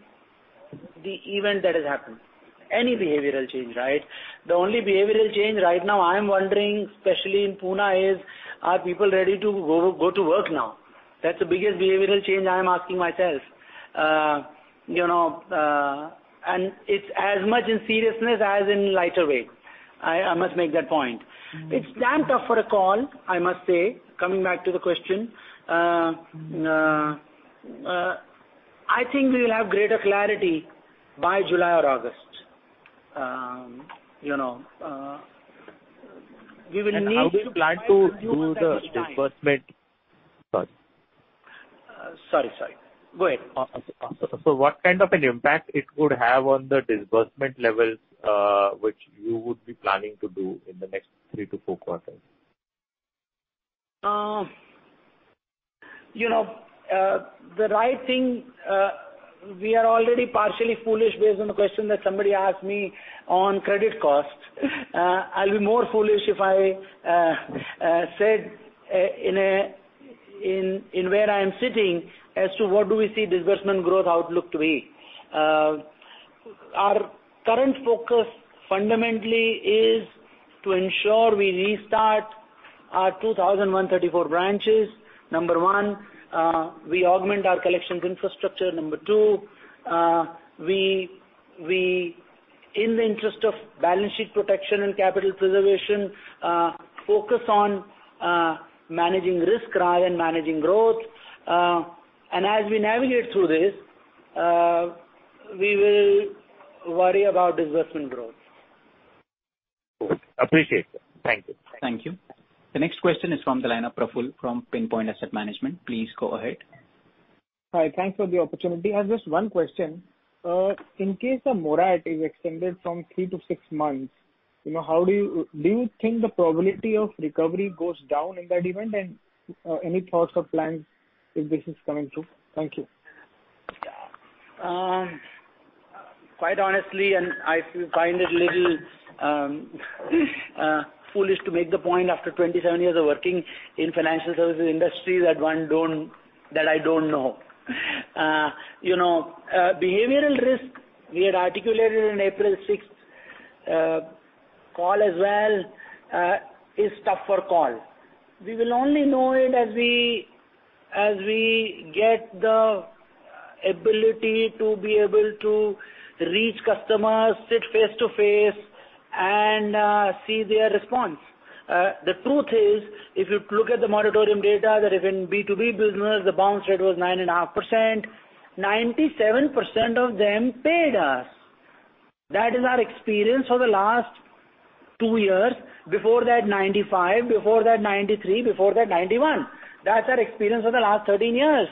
the event that has happened. Any behavioral change, right? The only behavioral change right now I am wondering, especially in Pune, is are people ready to go to work now? That's the biggest behavioral change I am asking myself. It's as much in seriousness as in lighter weight. I must make that point. It's damn tough for a call, I must say. Coming back to the question. I think we will have greater clarity by July or August. We will need to- How do you plan to do the disbursement? Sorry. Sorry. Go ahead. What kind of an impact it could have on the disbursement levels which you would be planning to do in the next three to four quarters? The right thing, we are already partially foolish based on the question that somebody asked me on credit costs. I'll be more foolish if I said where I am sitting as to what do we see disbursement growth outlook to be. Our current focus fundamentally is to ensure we restart our 2,134 branches, number one. We augment our collections infrastructure, number two. We, in the interest of balance sheet protection and capital preservation, focus on managing risk, [rather than] and managing growth. As we navigate through this, we will worry about disbursement growth. Appreciate that. Thank you. Thank you. The next question is from the line of Praful from PinPoint Asset Management. Please go ahead. Hi, thanks for the opportunity. I have just one question. In case the moratorium is extended from three to six months, do you think the probability of recovery goes down in that event? Any thoughts or plans if this is coming true? Thank you. Quite honestly, I find it a little foolish to make the point after 27 years of working in financial services industry, that I don't know. Behavioral risk, we had articulated on April 6th call as well, is tough for call. We will only know it as we get the ability to be able to reach customers, sit face-to-face and see their response. The truth is, if you look at the moratorium data, that is in B2B business, the bounce rate was 9.5%. 97% of them paid us. That is our experience for the last two years. Before that, 95%. Before that, 93%. Before that, 91%. That's our experience for the last 13 years.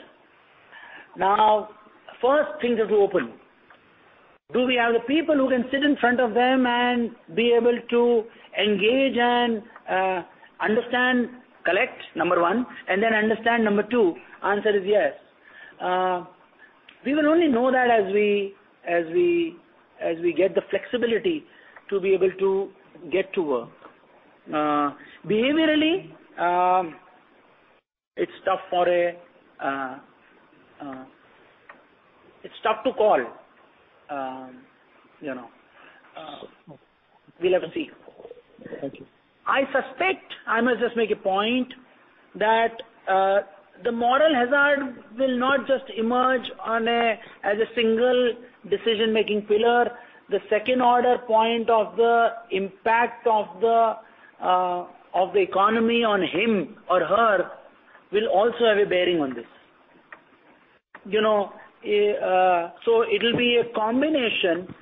First things have to open. Do we have the people who can sit in front of them and be able to engage and understand, collect, number 1, and then understand, number 2? Answer is yes. We will only know that as we get the flexibility to be able to get to work. Behaviorally, it's tough to call. We'll have to see. Thank you. I suspect, I must just make a point, that the moral hazard will not just emerge as a single decision-making pillar. The second-order point of the impact of the economy on him or her will also have a bearing on this. It'll be a combination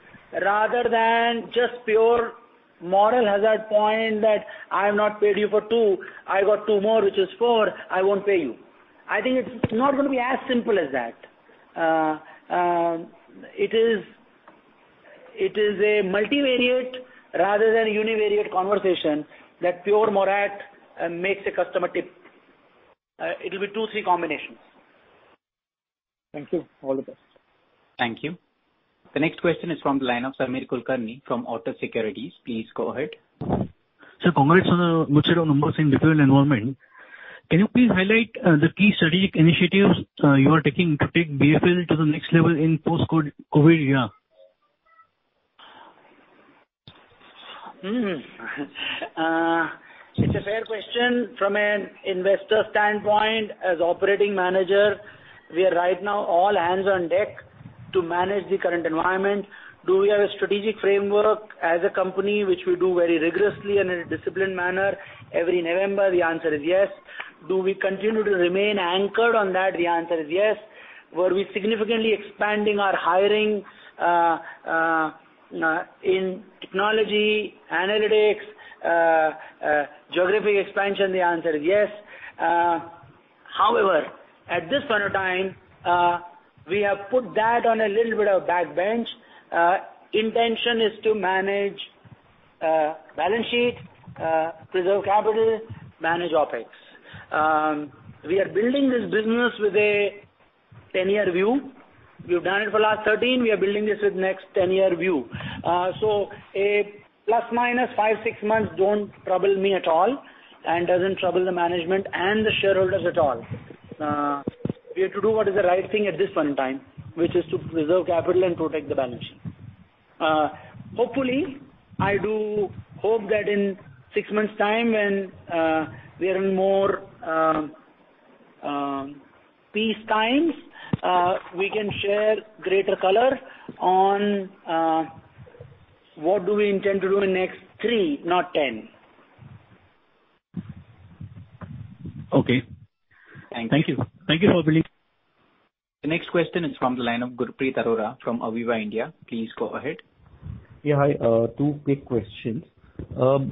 rather than just pure moral hazard point that I have not paid you for two, I got two more, which is four, I won't pay you. I think it's not going to be as simple as that. It is a multivariate rather than a univariate conversation that pure moratorium makes a customer tip. It'll be two, three combinations. Thank you. All the best. Thank you. The next question is from the line of Samir Kulkarni from Otto Securities. Please go ahead. Sir, congrats on a good set of numbers in difficult environment. Can you please highlight the key strategic initiatives you are taking to take BFL to the next level in post-COVID era? It's a fair question from an investor standpoint. As operating manager, we are right now all hands on deck to manage the current environment. Do we have a strategic framework as a company, which we do very rigorously and in a disciplined manner every November? The answer is yes. Do we continue to remain anchored on that? The answer is yes. Were we significantly expanding our hiring in technology, analytics, geographic expansion? The answer is yes. However, at this point of time, we have put that on a little bit of back bench. Intention is to manage balance sheet, preserve capital, manage OpEx. We are building this business with a 10-year view. We've done it for the last 13. We are building this with the next 10-year view. A plus/minus five, six months don't trouble me at all, and doesn't trouble the management and the shareholders at all. We have to do what is the right thing at this point in time, which is to preserve capital and protect the balance sheet. Hopefully, I do hope that in six months' time, when we are in more peace times, we can share greater color on what do we intend to do in next three, not ten. Okay. Thank you. Thank you. Thank you for belief. The next question is from the line of Gurpreet Arora from Aviva India. Please go ahead. Yeah. Hi. Two quick questions. What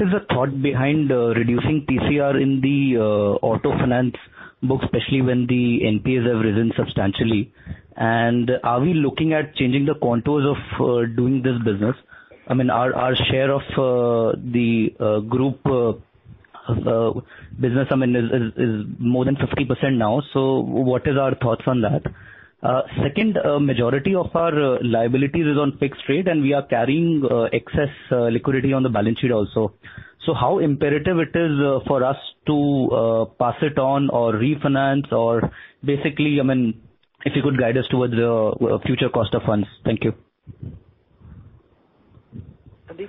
is the thought behind reducing PCR in the auto finance book, especially when the NPAs have risen substantially? Are we looking at changing the contours of doing this business? I mean, our share of the group business is more than 50% now. What is our thoughts on that? Second, majority of our liabilities is on fixed rate, and we are carrying excess liquidity on the balance sheet also. How imperative it is for us to pass it on or refinance? Basically, if you could guide us towards the future cost of funds. Thank you. Sandeep?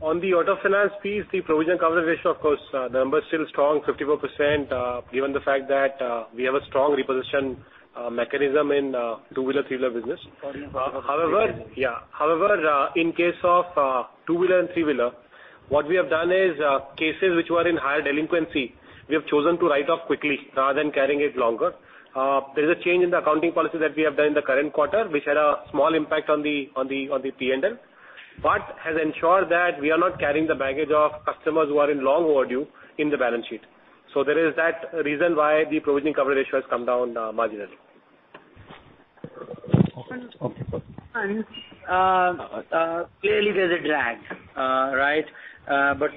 On the auto finance piece, the Provisioning Coverage Ratio, of course, the number is still strong, 54%, given the fact that we have a strong repossession mechanism in two-wheeler, three-wheeler business. Pardon. In case of two-wheeler and three-wheeler, what we have done is, cases which were in higher delinquency, we have chosen to write off quickly rather than carrying it longer. There is a change in the accounting policy that we have done in the current quarter, which had a small impact on the P&L, but has ensured that we are not carrying the baggage of customers who are in long overdue in the balance sheet. There is that reason why the Provisioning Coverage Ratio has come down marginally. Okay.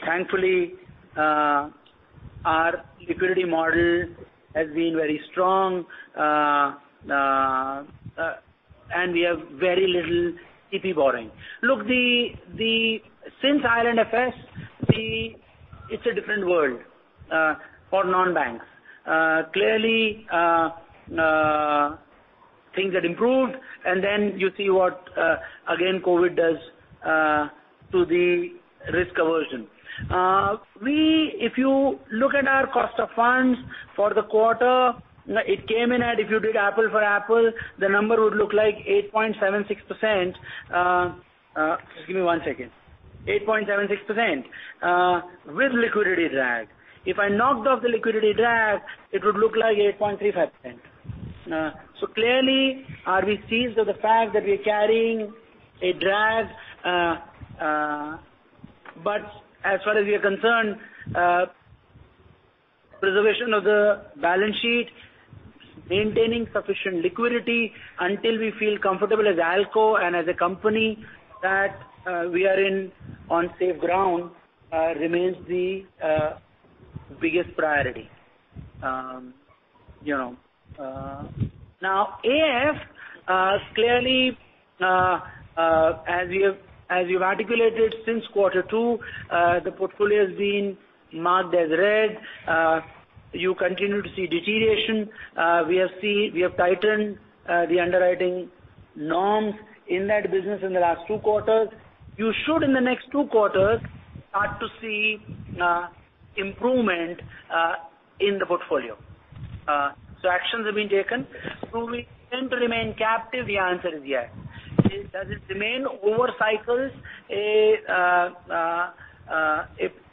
Thankfully, our liquidity model has been very strong, and we have very little CP borrowing. Look, since IL&FS, it's a different world for non-banks. Things had improved, and then you see what, again, COVID does to the risk aversion. You look at our cost of funds for the quarter, it came in at, if you did apple for apple, the number would look like 8.76%. Just give me one second. 8.76% with liquidity drag. I knocked off the liquidity drag, it would look like 8.35%. Are we seized of the fact that we are carrying a drag? As far as we are concerned, preservation of the balance sheet, maintaining sufficient liquidity until we feel comfortable as ALCO and as a company that we are on safe ground remains the biggest priority. AF, clearly, as we have articulated since quarter two, the portfolio has been marked as red. You continue to see deterioration. We have tightened the underwriting norms in that business in the last two quarters. You should, in the next two quarters, start to see improvement in the portfolio. Actions have been taken. Will we tend to remain captive? The answer is yes. Does it remain over cycles a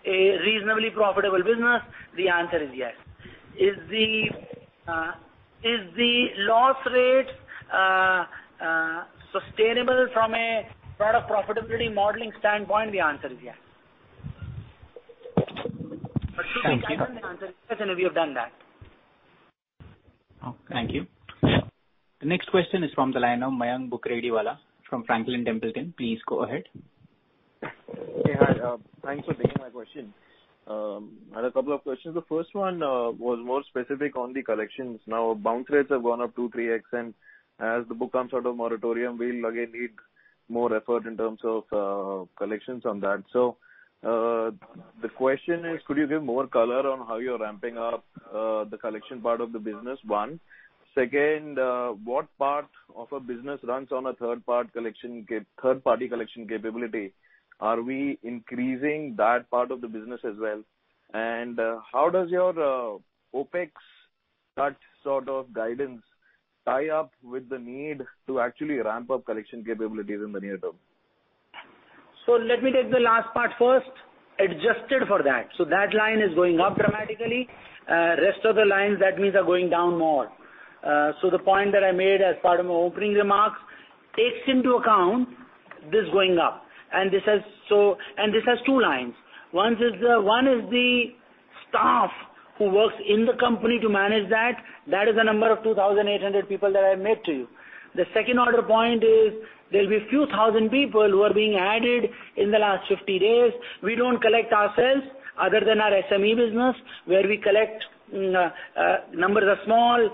reasonably profitable business? The answer is yes. Is the loss rate sustainable from a product profitability modeling standpoint? The answer is yes. Thank you. Should we capital? The answer is yes, and we have done that. Thank you. The next question is from the line of Mayank Bukrediwala from Franklin Templeton. Please go ahead. Hey. Hi. Thanks for taking my question. I had a couple of questions. The first one was more specific on the collections. Bounce rates have gone up two, 3x, and as the book comes out of moratorium, we'll again need more effort in terms of collections on that. The question is, could you give more color on how you're ramping up the collection part of the business, one? Second, what part of a business runs on a third-party collection capability? Are we increasing that part of the business as well? How does your OpEx touch sort of guidance tie up with the need to actually ramp up collection capabilities in the near term? Let me take the last part first. Adjusted for that. That line is going up dramatically. Rest of the lines, that means, are going down more. The point that I made as part of my opening remarks takes into account this going up. This has two lines. One is the staff who works in the company to manage that. That is a number of 2,800 people that I made to you. The second-order point is there will be a few thousand people who are being added in the last 50 days. We don't collect ourselves other than our SME business where we collect. Numbers are small.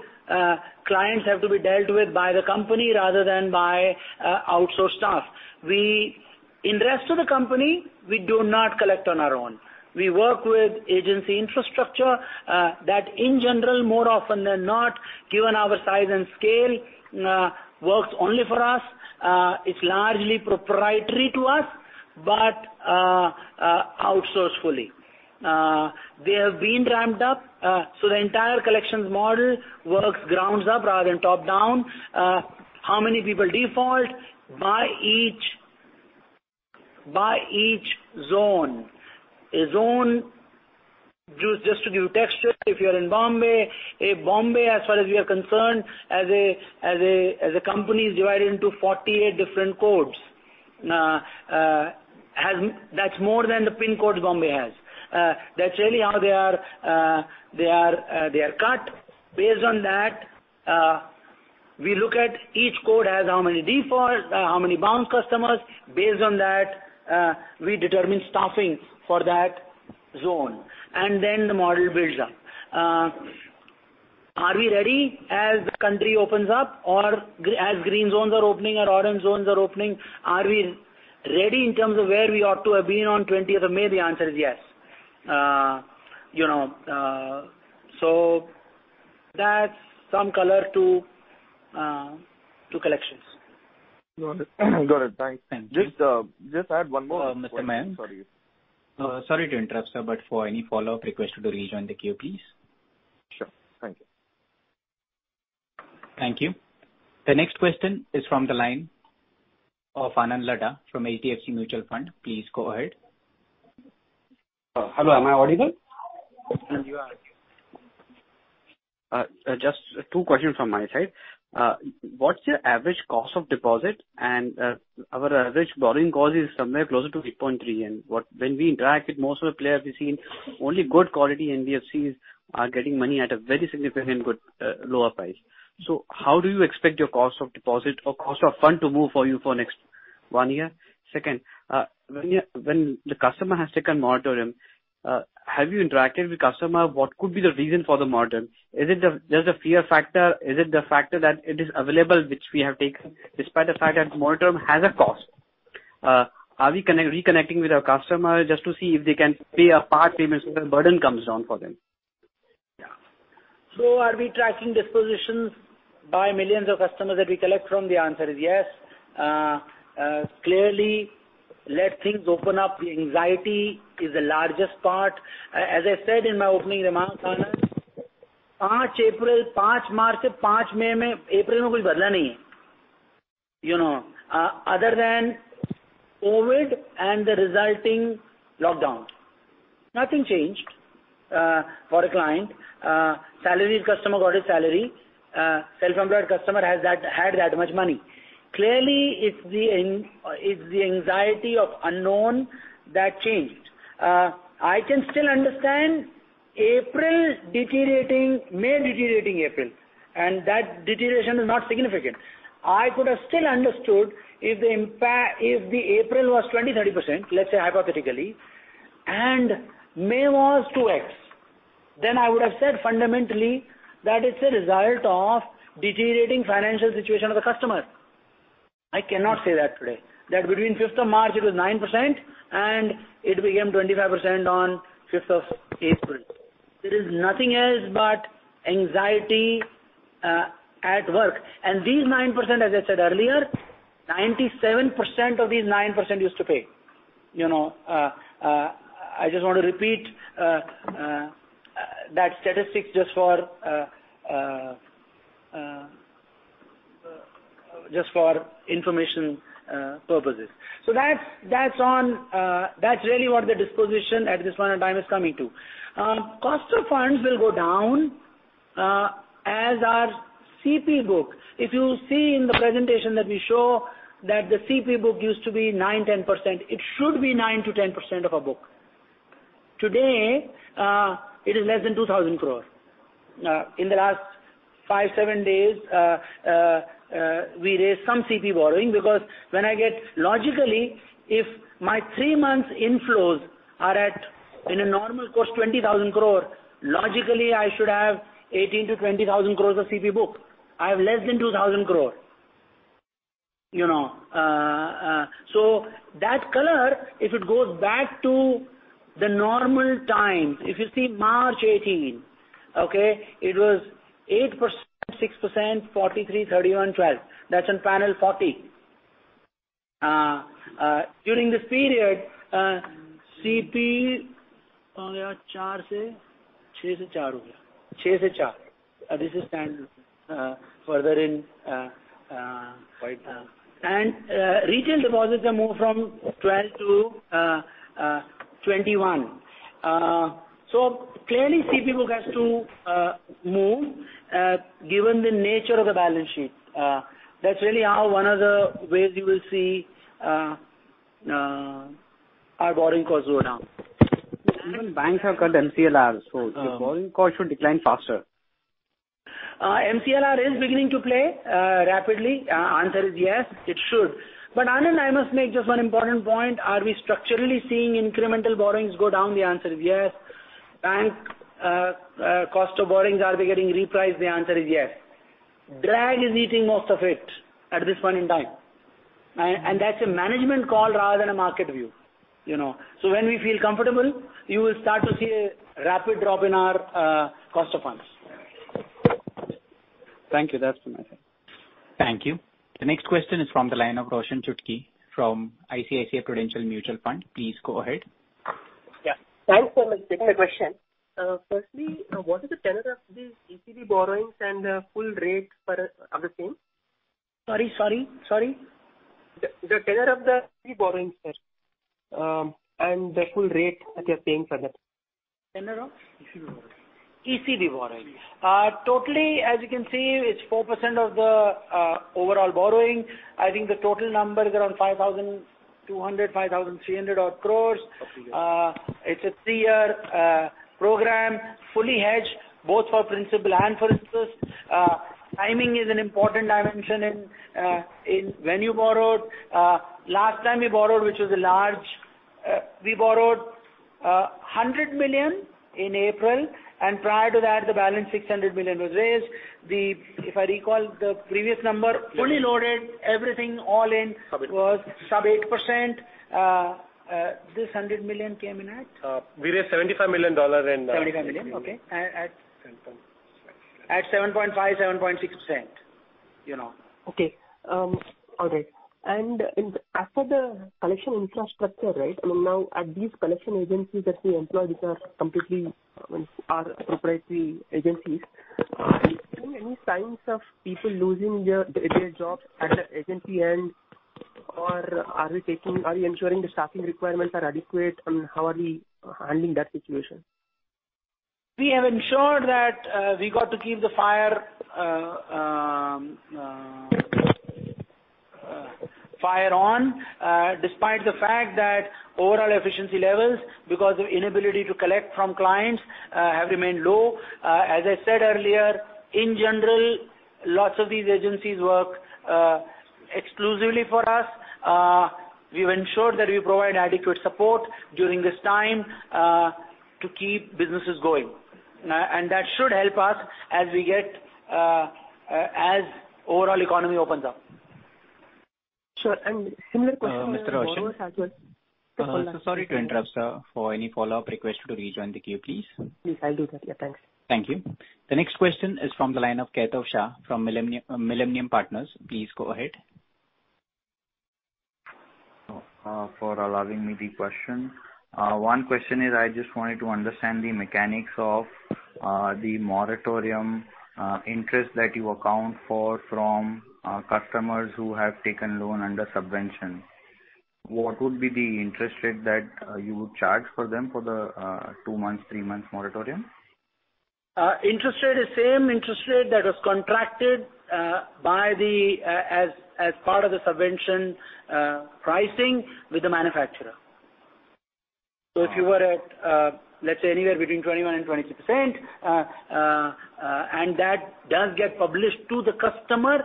Clients have to be dealt with by the company rather than by outsourced staff. In rest of the company, we do not collect on our own. We work with agency infrastructure that, in general, more often than not, given our size and scale, works only for us. It's largely proprietary to us, but outsourced fully. They have been ramped up. The entire collections model works grounds up rather than top-down. How many people default by each zone? A zone, just to give you texture, if you're in Bombay, as far as we are concerned, as a company, is divided into 48 different codes. That's more than the pin codes Bombay has. That's really how they are cut. Based on that, we look at each code as how many defaults, how many bounce customers. Based on that, we determine staffing for that zone. The model builds up. Are we ready as the country opens up or as green zones are opening or orange zones are opening, are we ready in terms of where we ought to have been on 20th of May? The answer is yes. That's some color to collections. Got it. Got it. Thanks. Thank you. Just add one more question for you. Mr. Mayank. Sorry to interrupt, sir. For any follow-up request, you to rejoin the queue, please. Sure. Thank you. Thank you. The next question is from the line of Anand Laddha from HDFC Mutual Fund. Please go ahead. Hello, am I audible? You are. Just two questions from my side. What's your average cost of deposit? Our average borrowing cost is somewhere closer to 8.3. When we interact with most of the players, we've seen only good quality NBFCs are getting money at a very significantly lower price. How do you expect your cost of deposit or cost of fund to move for you for next one year? Second, when the customer has taken moratorium, have you interacted with customer? What could be the reason for the moratorium? There's a fear factor. Is it the factor that it is available, which we have taken, despite the fact that moratorium has a cost? Are we reconnecting with our customer just to see if they can pay a part payment so the burden comes down for them? Yeah. Are we tracking dispositions by millions of customers that we collect from? The answer is yes. Clearly, let things open up. The anxiety is the largest part. As I said in my opening remarks, Anand, 5th March to 5th May, there is no change in April. Other than COVID and the resulting lockdown, nothing changed for a client. Salaried customer got his salary. Self-employed customer had that much money. Clearly, it's the anxiety of unknown that changed. I can still understand April deteriorating, May deteriorating April, and that deterioration is not significant. I could have still understood if the April was 20%, 30%, let's say hypothetically, and May was 2X. I would have said fundamentally, that it's a result of deteriorating financial situation of the customer. I cannot say that today. Between 5th of March, it was 9%, and it became 25% on 5th of April. It is nothing else but anxiety at work. These 9%, as I said earlier, 97% of these 9% used to pay. I just want to repeat that statistic just for information purposes. That's really what the disposition at this point in time is coming to. Cost of funds will go down as our CP book. If you see in the presentation that we show that the CP book used to be 9, 10%, it should be 9% to 10% of our book. Today, it is less than 2,000 crores. In the last five, seven days, we raised some CP borrowing because when I get logically, if my three months inflows are at, in a normal course, 20,000 crore, logically, I should have 18,000-20,000 crores of CP book. I have less than 2,000 crore. That color, if it goes back to the normal times. If you see March 18, okay, it was 8%, 6%, 43%, 31%, 12%. That's on panel 40. During this period CP, four from six. Four from six. This is standard. Further in. Retail deposits have moved from 12 to 21. Clearly, CP book has to move given the nature of the balance sheet. That's really how one of the ways you will see our borrowing costs go down. Even banks have cut MCLR. Your borrowing cost should decline faster. MCLR is beginning to play rapidly. Answer is yes, it should. Anand, I must make just one important point. Are we structurally seeing incremental borrowings go down? The answer is yes. Bank cost of borrowings, are they getting repriced? The answer is yes. Drag is eating most of it at this point in time. That's a management call rather than a market view. When we feel comfortable, you will start to see a rapid drop in our cost of funds. Thank you. That's it on my side. Thank you. The next question is from the line of Roshan Chordia from ICICI Prudential Mutual Fund. Please go ahead. Yeah. Thanks so much. Two-part question. Firstly, what is the tenor of these ECB borrowings and full rate are the same? Sorry? The tenor of the ECB borrowings, sir, and the full rate that you're paying for that? Tenor of? ECB borrowings. ECB borrowings. Totally, as you can see, it's 4% of the overall borrowing. I think the total number is around 5,200, 5,300 odd crores. It's a three-year program, fully hedged, both for principal and for interest. Timing is an important dimension in when you borrowed. Last time we borrowed, which was large, we borrowed $100 million in April, and prior to that, the balance $600 million was raised. If I recall the previous number, fully loaded, everything, all-in was sub 8%. This $100 million came in at? We raised $75 million in- 75 million, okay. At? 7.5. At 7.5%, 7.6%. Okay. All right. As for the collection infrastructure, right now these collection agencies that we employ, which are completely our proprietary agencies, are you seeing any signs of people losing their jobs at the agency end, or are we ensuring the staffing requirements are adequate, and how are we handling that situation? We have ensured that we got to keep the fire on, despite the fact that overall efficiency levels, because of inability to collect from clients, have remained low. As I said earlier, in general, lots of these agencies work exclusively for us. We've ensured that we provide adequate support during this time to keep businesses going. That should help us as overall economy opens up. Sure. Mr. Roshan. For follow-up. Sorry to interrupt, sir. For any follow-up requests, you to rejoin the queue, please. Please, I'll do that. Yeah, thanks. Thank you. The next question is from the line of Ketan Shah from Millennium Partners. Please go ahead. Thank you for allowing me the question. One question is, I just wanted to understand the mechanics of the moratorium interest that you account for from customers who have taken loan under subvention. What would be the interest rate that you would charge for them for the two months, three months moratorium? Interest rate is same interest rate that was contracted as part of the subvention pricing with the manufacturer. If you were at, let's say, anywhere between 21% and 22%, and that does get published to the customer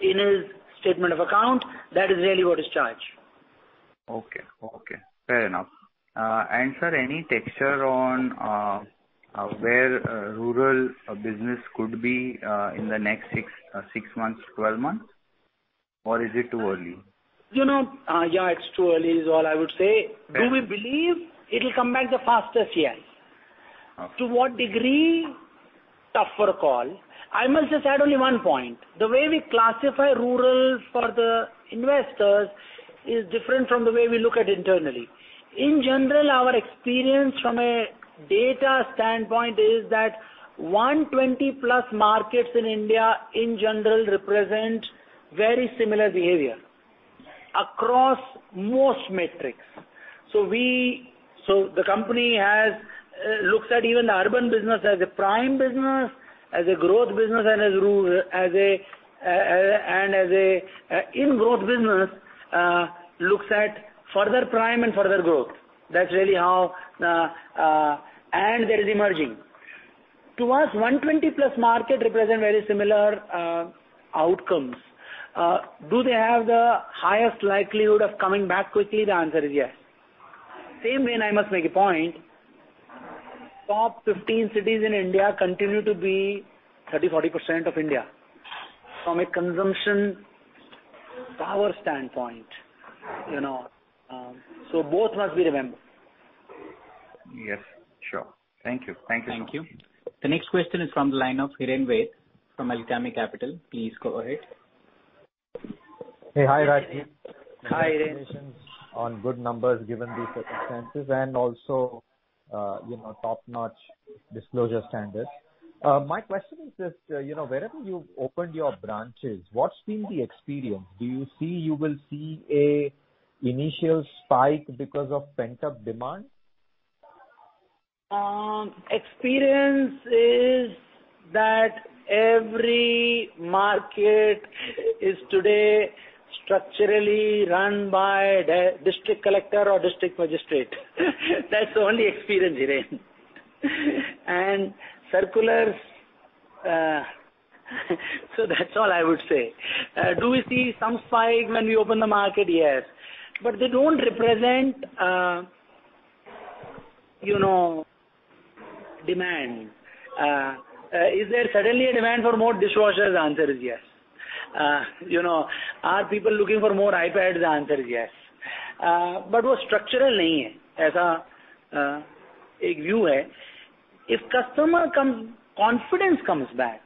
in his statement of account. That is really what is charged. Okay. Fair enough. Sir, any texture on where rural business could be in the next 6 months, 12 months? Or is it too early? It's too early is all I would say. Do we believe it'll come back the fastest? Yes. Okay. To what degree? Tougher call. I must just add only one point. The way we classify rural for the investors is different from the way we look at internally. In general, our experience from a data standpoint is that 120 plus markets in India in general represent very similar behavior across most metrics. The company looks at even the urban business as a prime business, as a growth business, looks at further prime and further growth. That's really how. There is emerging. To us, 120 plus market represent very similar outcomes. Do they have the highest likelihood of coming back quickly? The answer is yes. Same way, and I must make a point, top 15 cities in India continue to be 30%, 40% of India from a consumption power standpoint. Both must be remembered. Yes, sure. Thank you. Thank you. The next question is from the line of Hiren Ved from Alchemy Capital. Please go ahead. Hey. Hi, Rajeev. Hi, Hiren. Congratulations on good numbers given the circumstances and also top-notch disclosure standards. My question is this, wherever you've opened your branches, what's been the experience? Do you see you will see an initial spike because of pent-up demand? Experience is that every market is today structurally run by district collector or district magistrate. That's the only experience, Hiren. Circulars. That's all I would say. Do we see some spike when we open the market? Yes. They don't represent demand. Is there suddenly a demand for more dishwashers? The answer is yes. Are people looking for more iPads? The answer is yes. Structural view. If customer confidence comes back,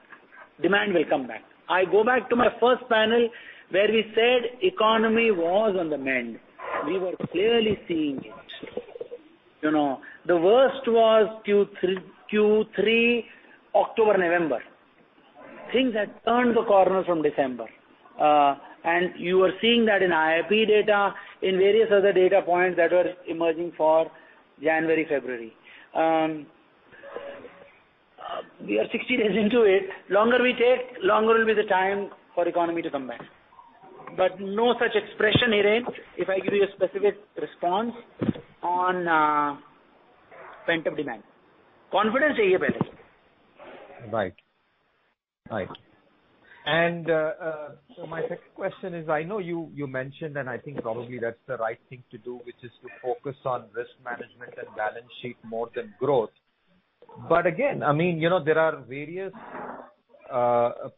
demand will come back. I go back to my first panel where we said economy was on the mend. We were clearly seeing it. The worst was Q3, October, November. Things had turned the corner from December. You are seeing that in IIP data, in various other data points that were emerging for January, February. We are 60 days into it. Longer we take, longer will be the time for economy to come back. No such expression, Hiren, if I give you a specific response on pent-up demand. Confidence is there. Right. My second question is, I know you mentioned, and I think probably that's the right thing to do, which is to focus on risk management and balance sheet more than growth. Again, there are various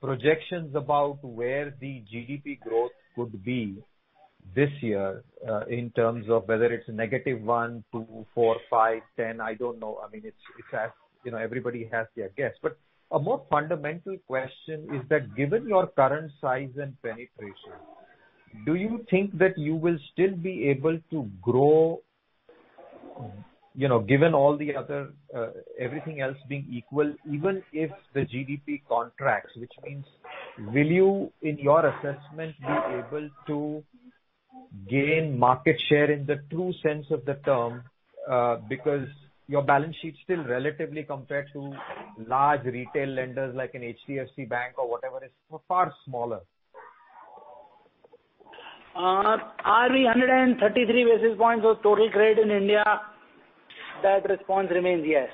projections about where the GDP growth could be this year, in terms of whether it's negative one, two, four, five, 10. I don't know. Everybody has their guess. A more fundamental question is that given your current size and penetration, do you think that you will still be able to grow, given everything else being equal, even if the GDP contracts? Which means, will you, in your assessment, be able to gain market share in the true sense of the term? Because your balance sheet still, relatively compared to large retail lenders like an HDFC Bank or whatever, is far smaller. Are we 133 basis points of total credit in India? That response remains yes.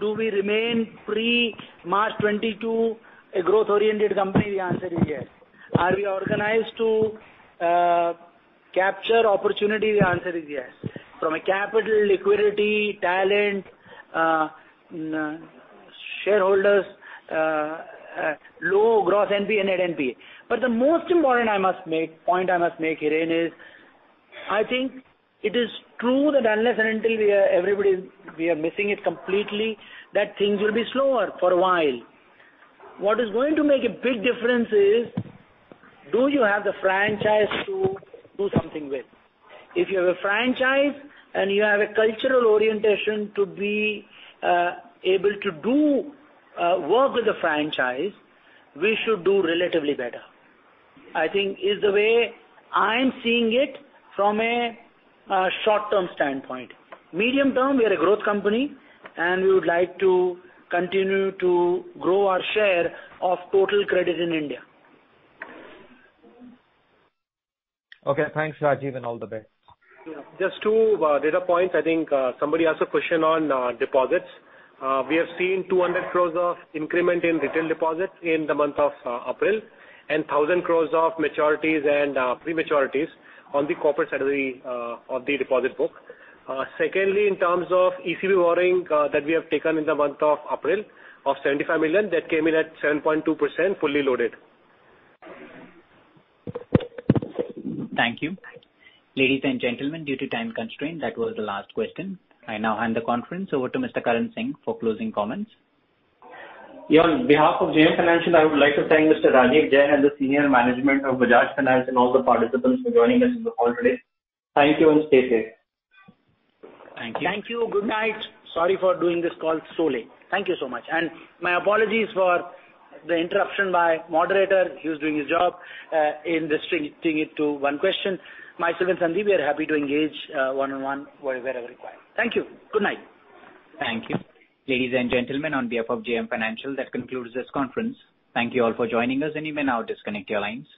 Do we remain pre-March 22 a growth-oriented company? The answer is yes. Are we organized to capture opportunity? The answer is yes. From a capital, liquidity, talent, shareholders, low gross NPA, net NPA. The most important point I must make, Hiren, is, I think it is true that unless and until we are missing it completely, that things will be slower for a while. What is going to make a big difference is, do you have the franchise to do something with? If you have a franchise and you have a cultural orientation to be able to do work with the franchise, we should do relatively better. I think is the way I'm seeing it from a short-term standpoint. Medium-term, we are a growth company, and we would like to continue to grow our share of total credit in India. Okay, thanks, Rajeev, and all the best. Just two data points. I think somebody asked a question on deposits. We have seen 200 crores of increment in retail deposits in the month of April and 1,000 crores of maturities and pre-maturities on the corporate side of the deposit book. In terms of ECB borrowing that we have taken in the month of April of $75 million, that came in at 7.2% fully loaded. Thank you. Ladies and gentlemen, due to time constraint, that was the last question. I now hand the conference over to Mr. Karan Singh for closing comments. On behalf of JM Financial, I would like to thank Mr. Rajeev Jain and the senior management of Bajaj Finance and all the participants for joining us on the call today. Thank you and stay safe. Thank you. Thank you. Good night. Sorry for doing this call so late. Thank you so much. My apologies for the interruption by moderator. He was doing his job in restricting it to one question. Myself and Sandeep, we are happy to engage one-on-one wherever required. Thank you. Good night. Thank you. Ladies and gentlemen, on behalf of JM Financial, that concludes this conference. Thank you all for joining us and you may now disconnect your lines.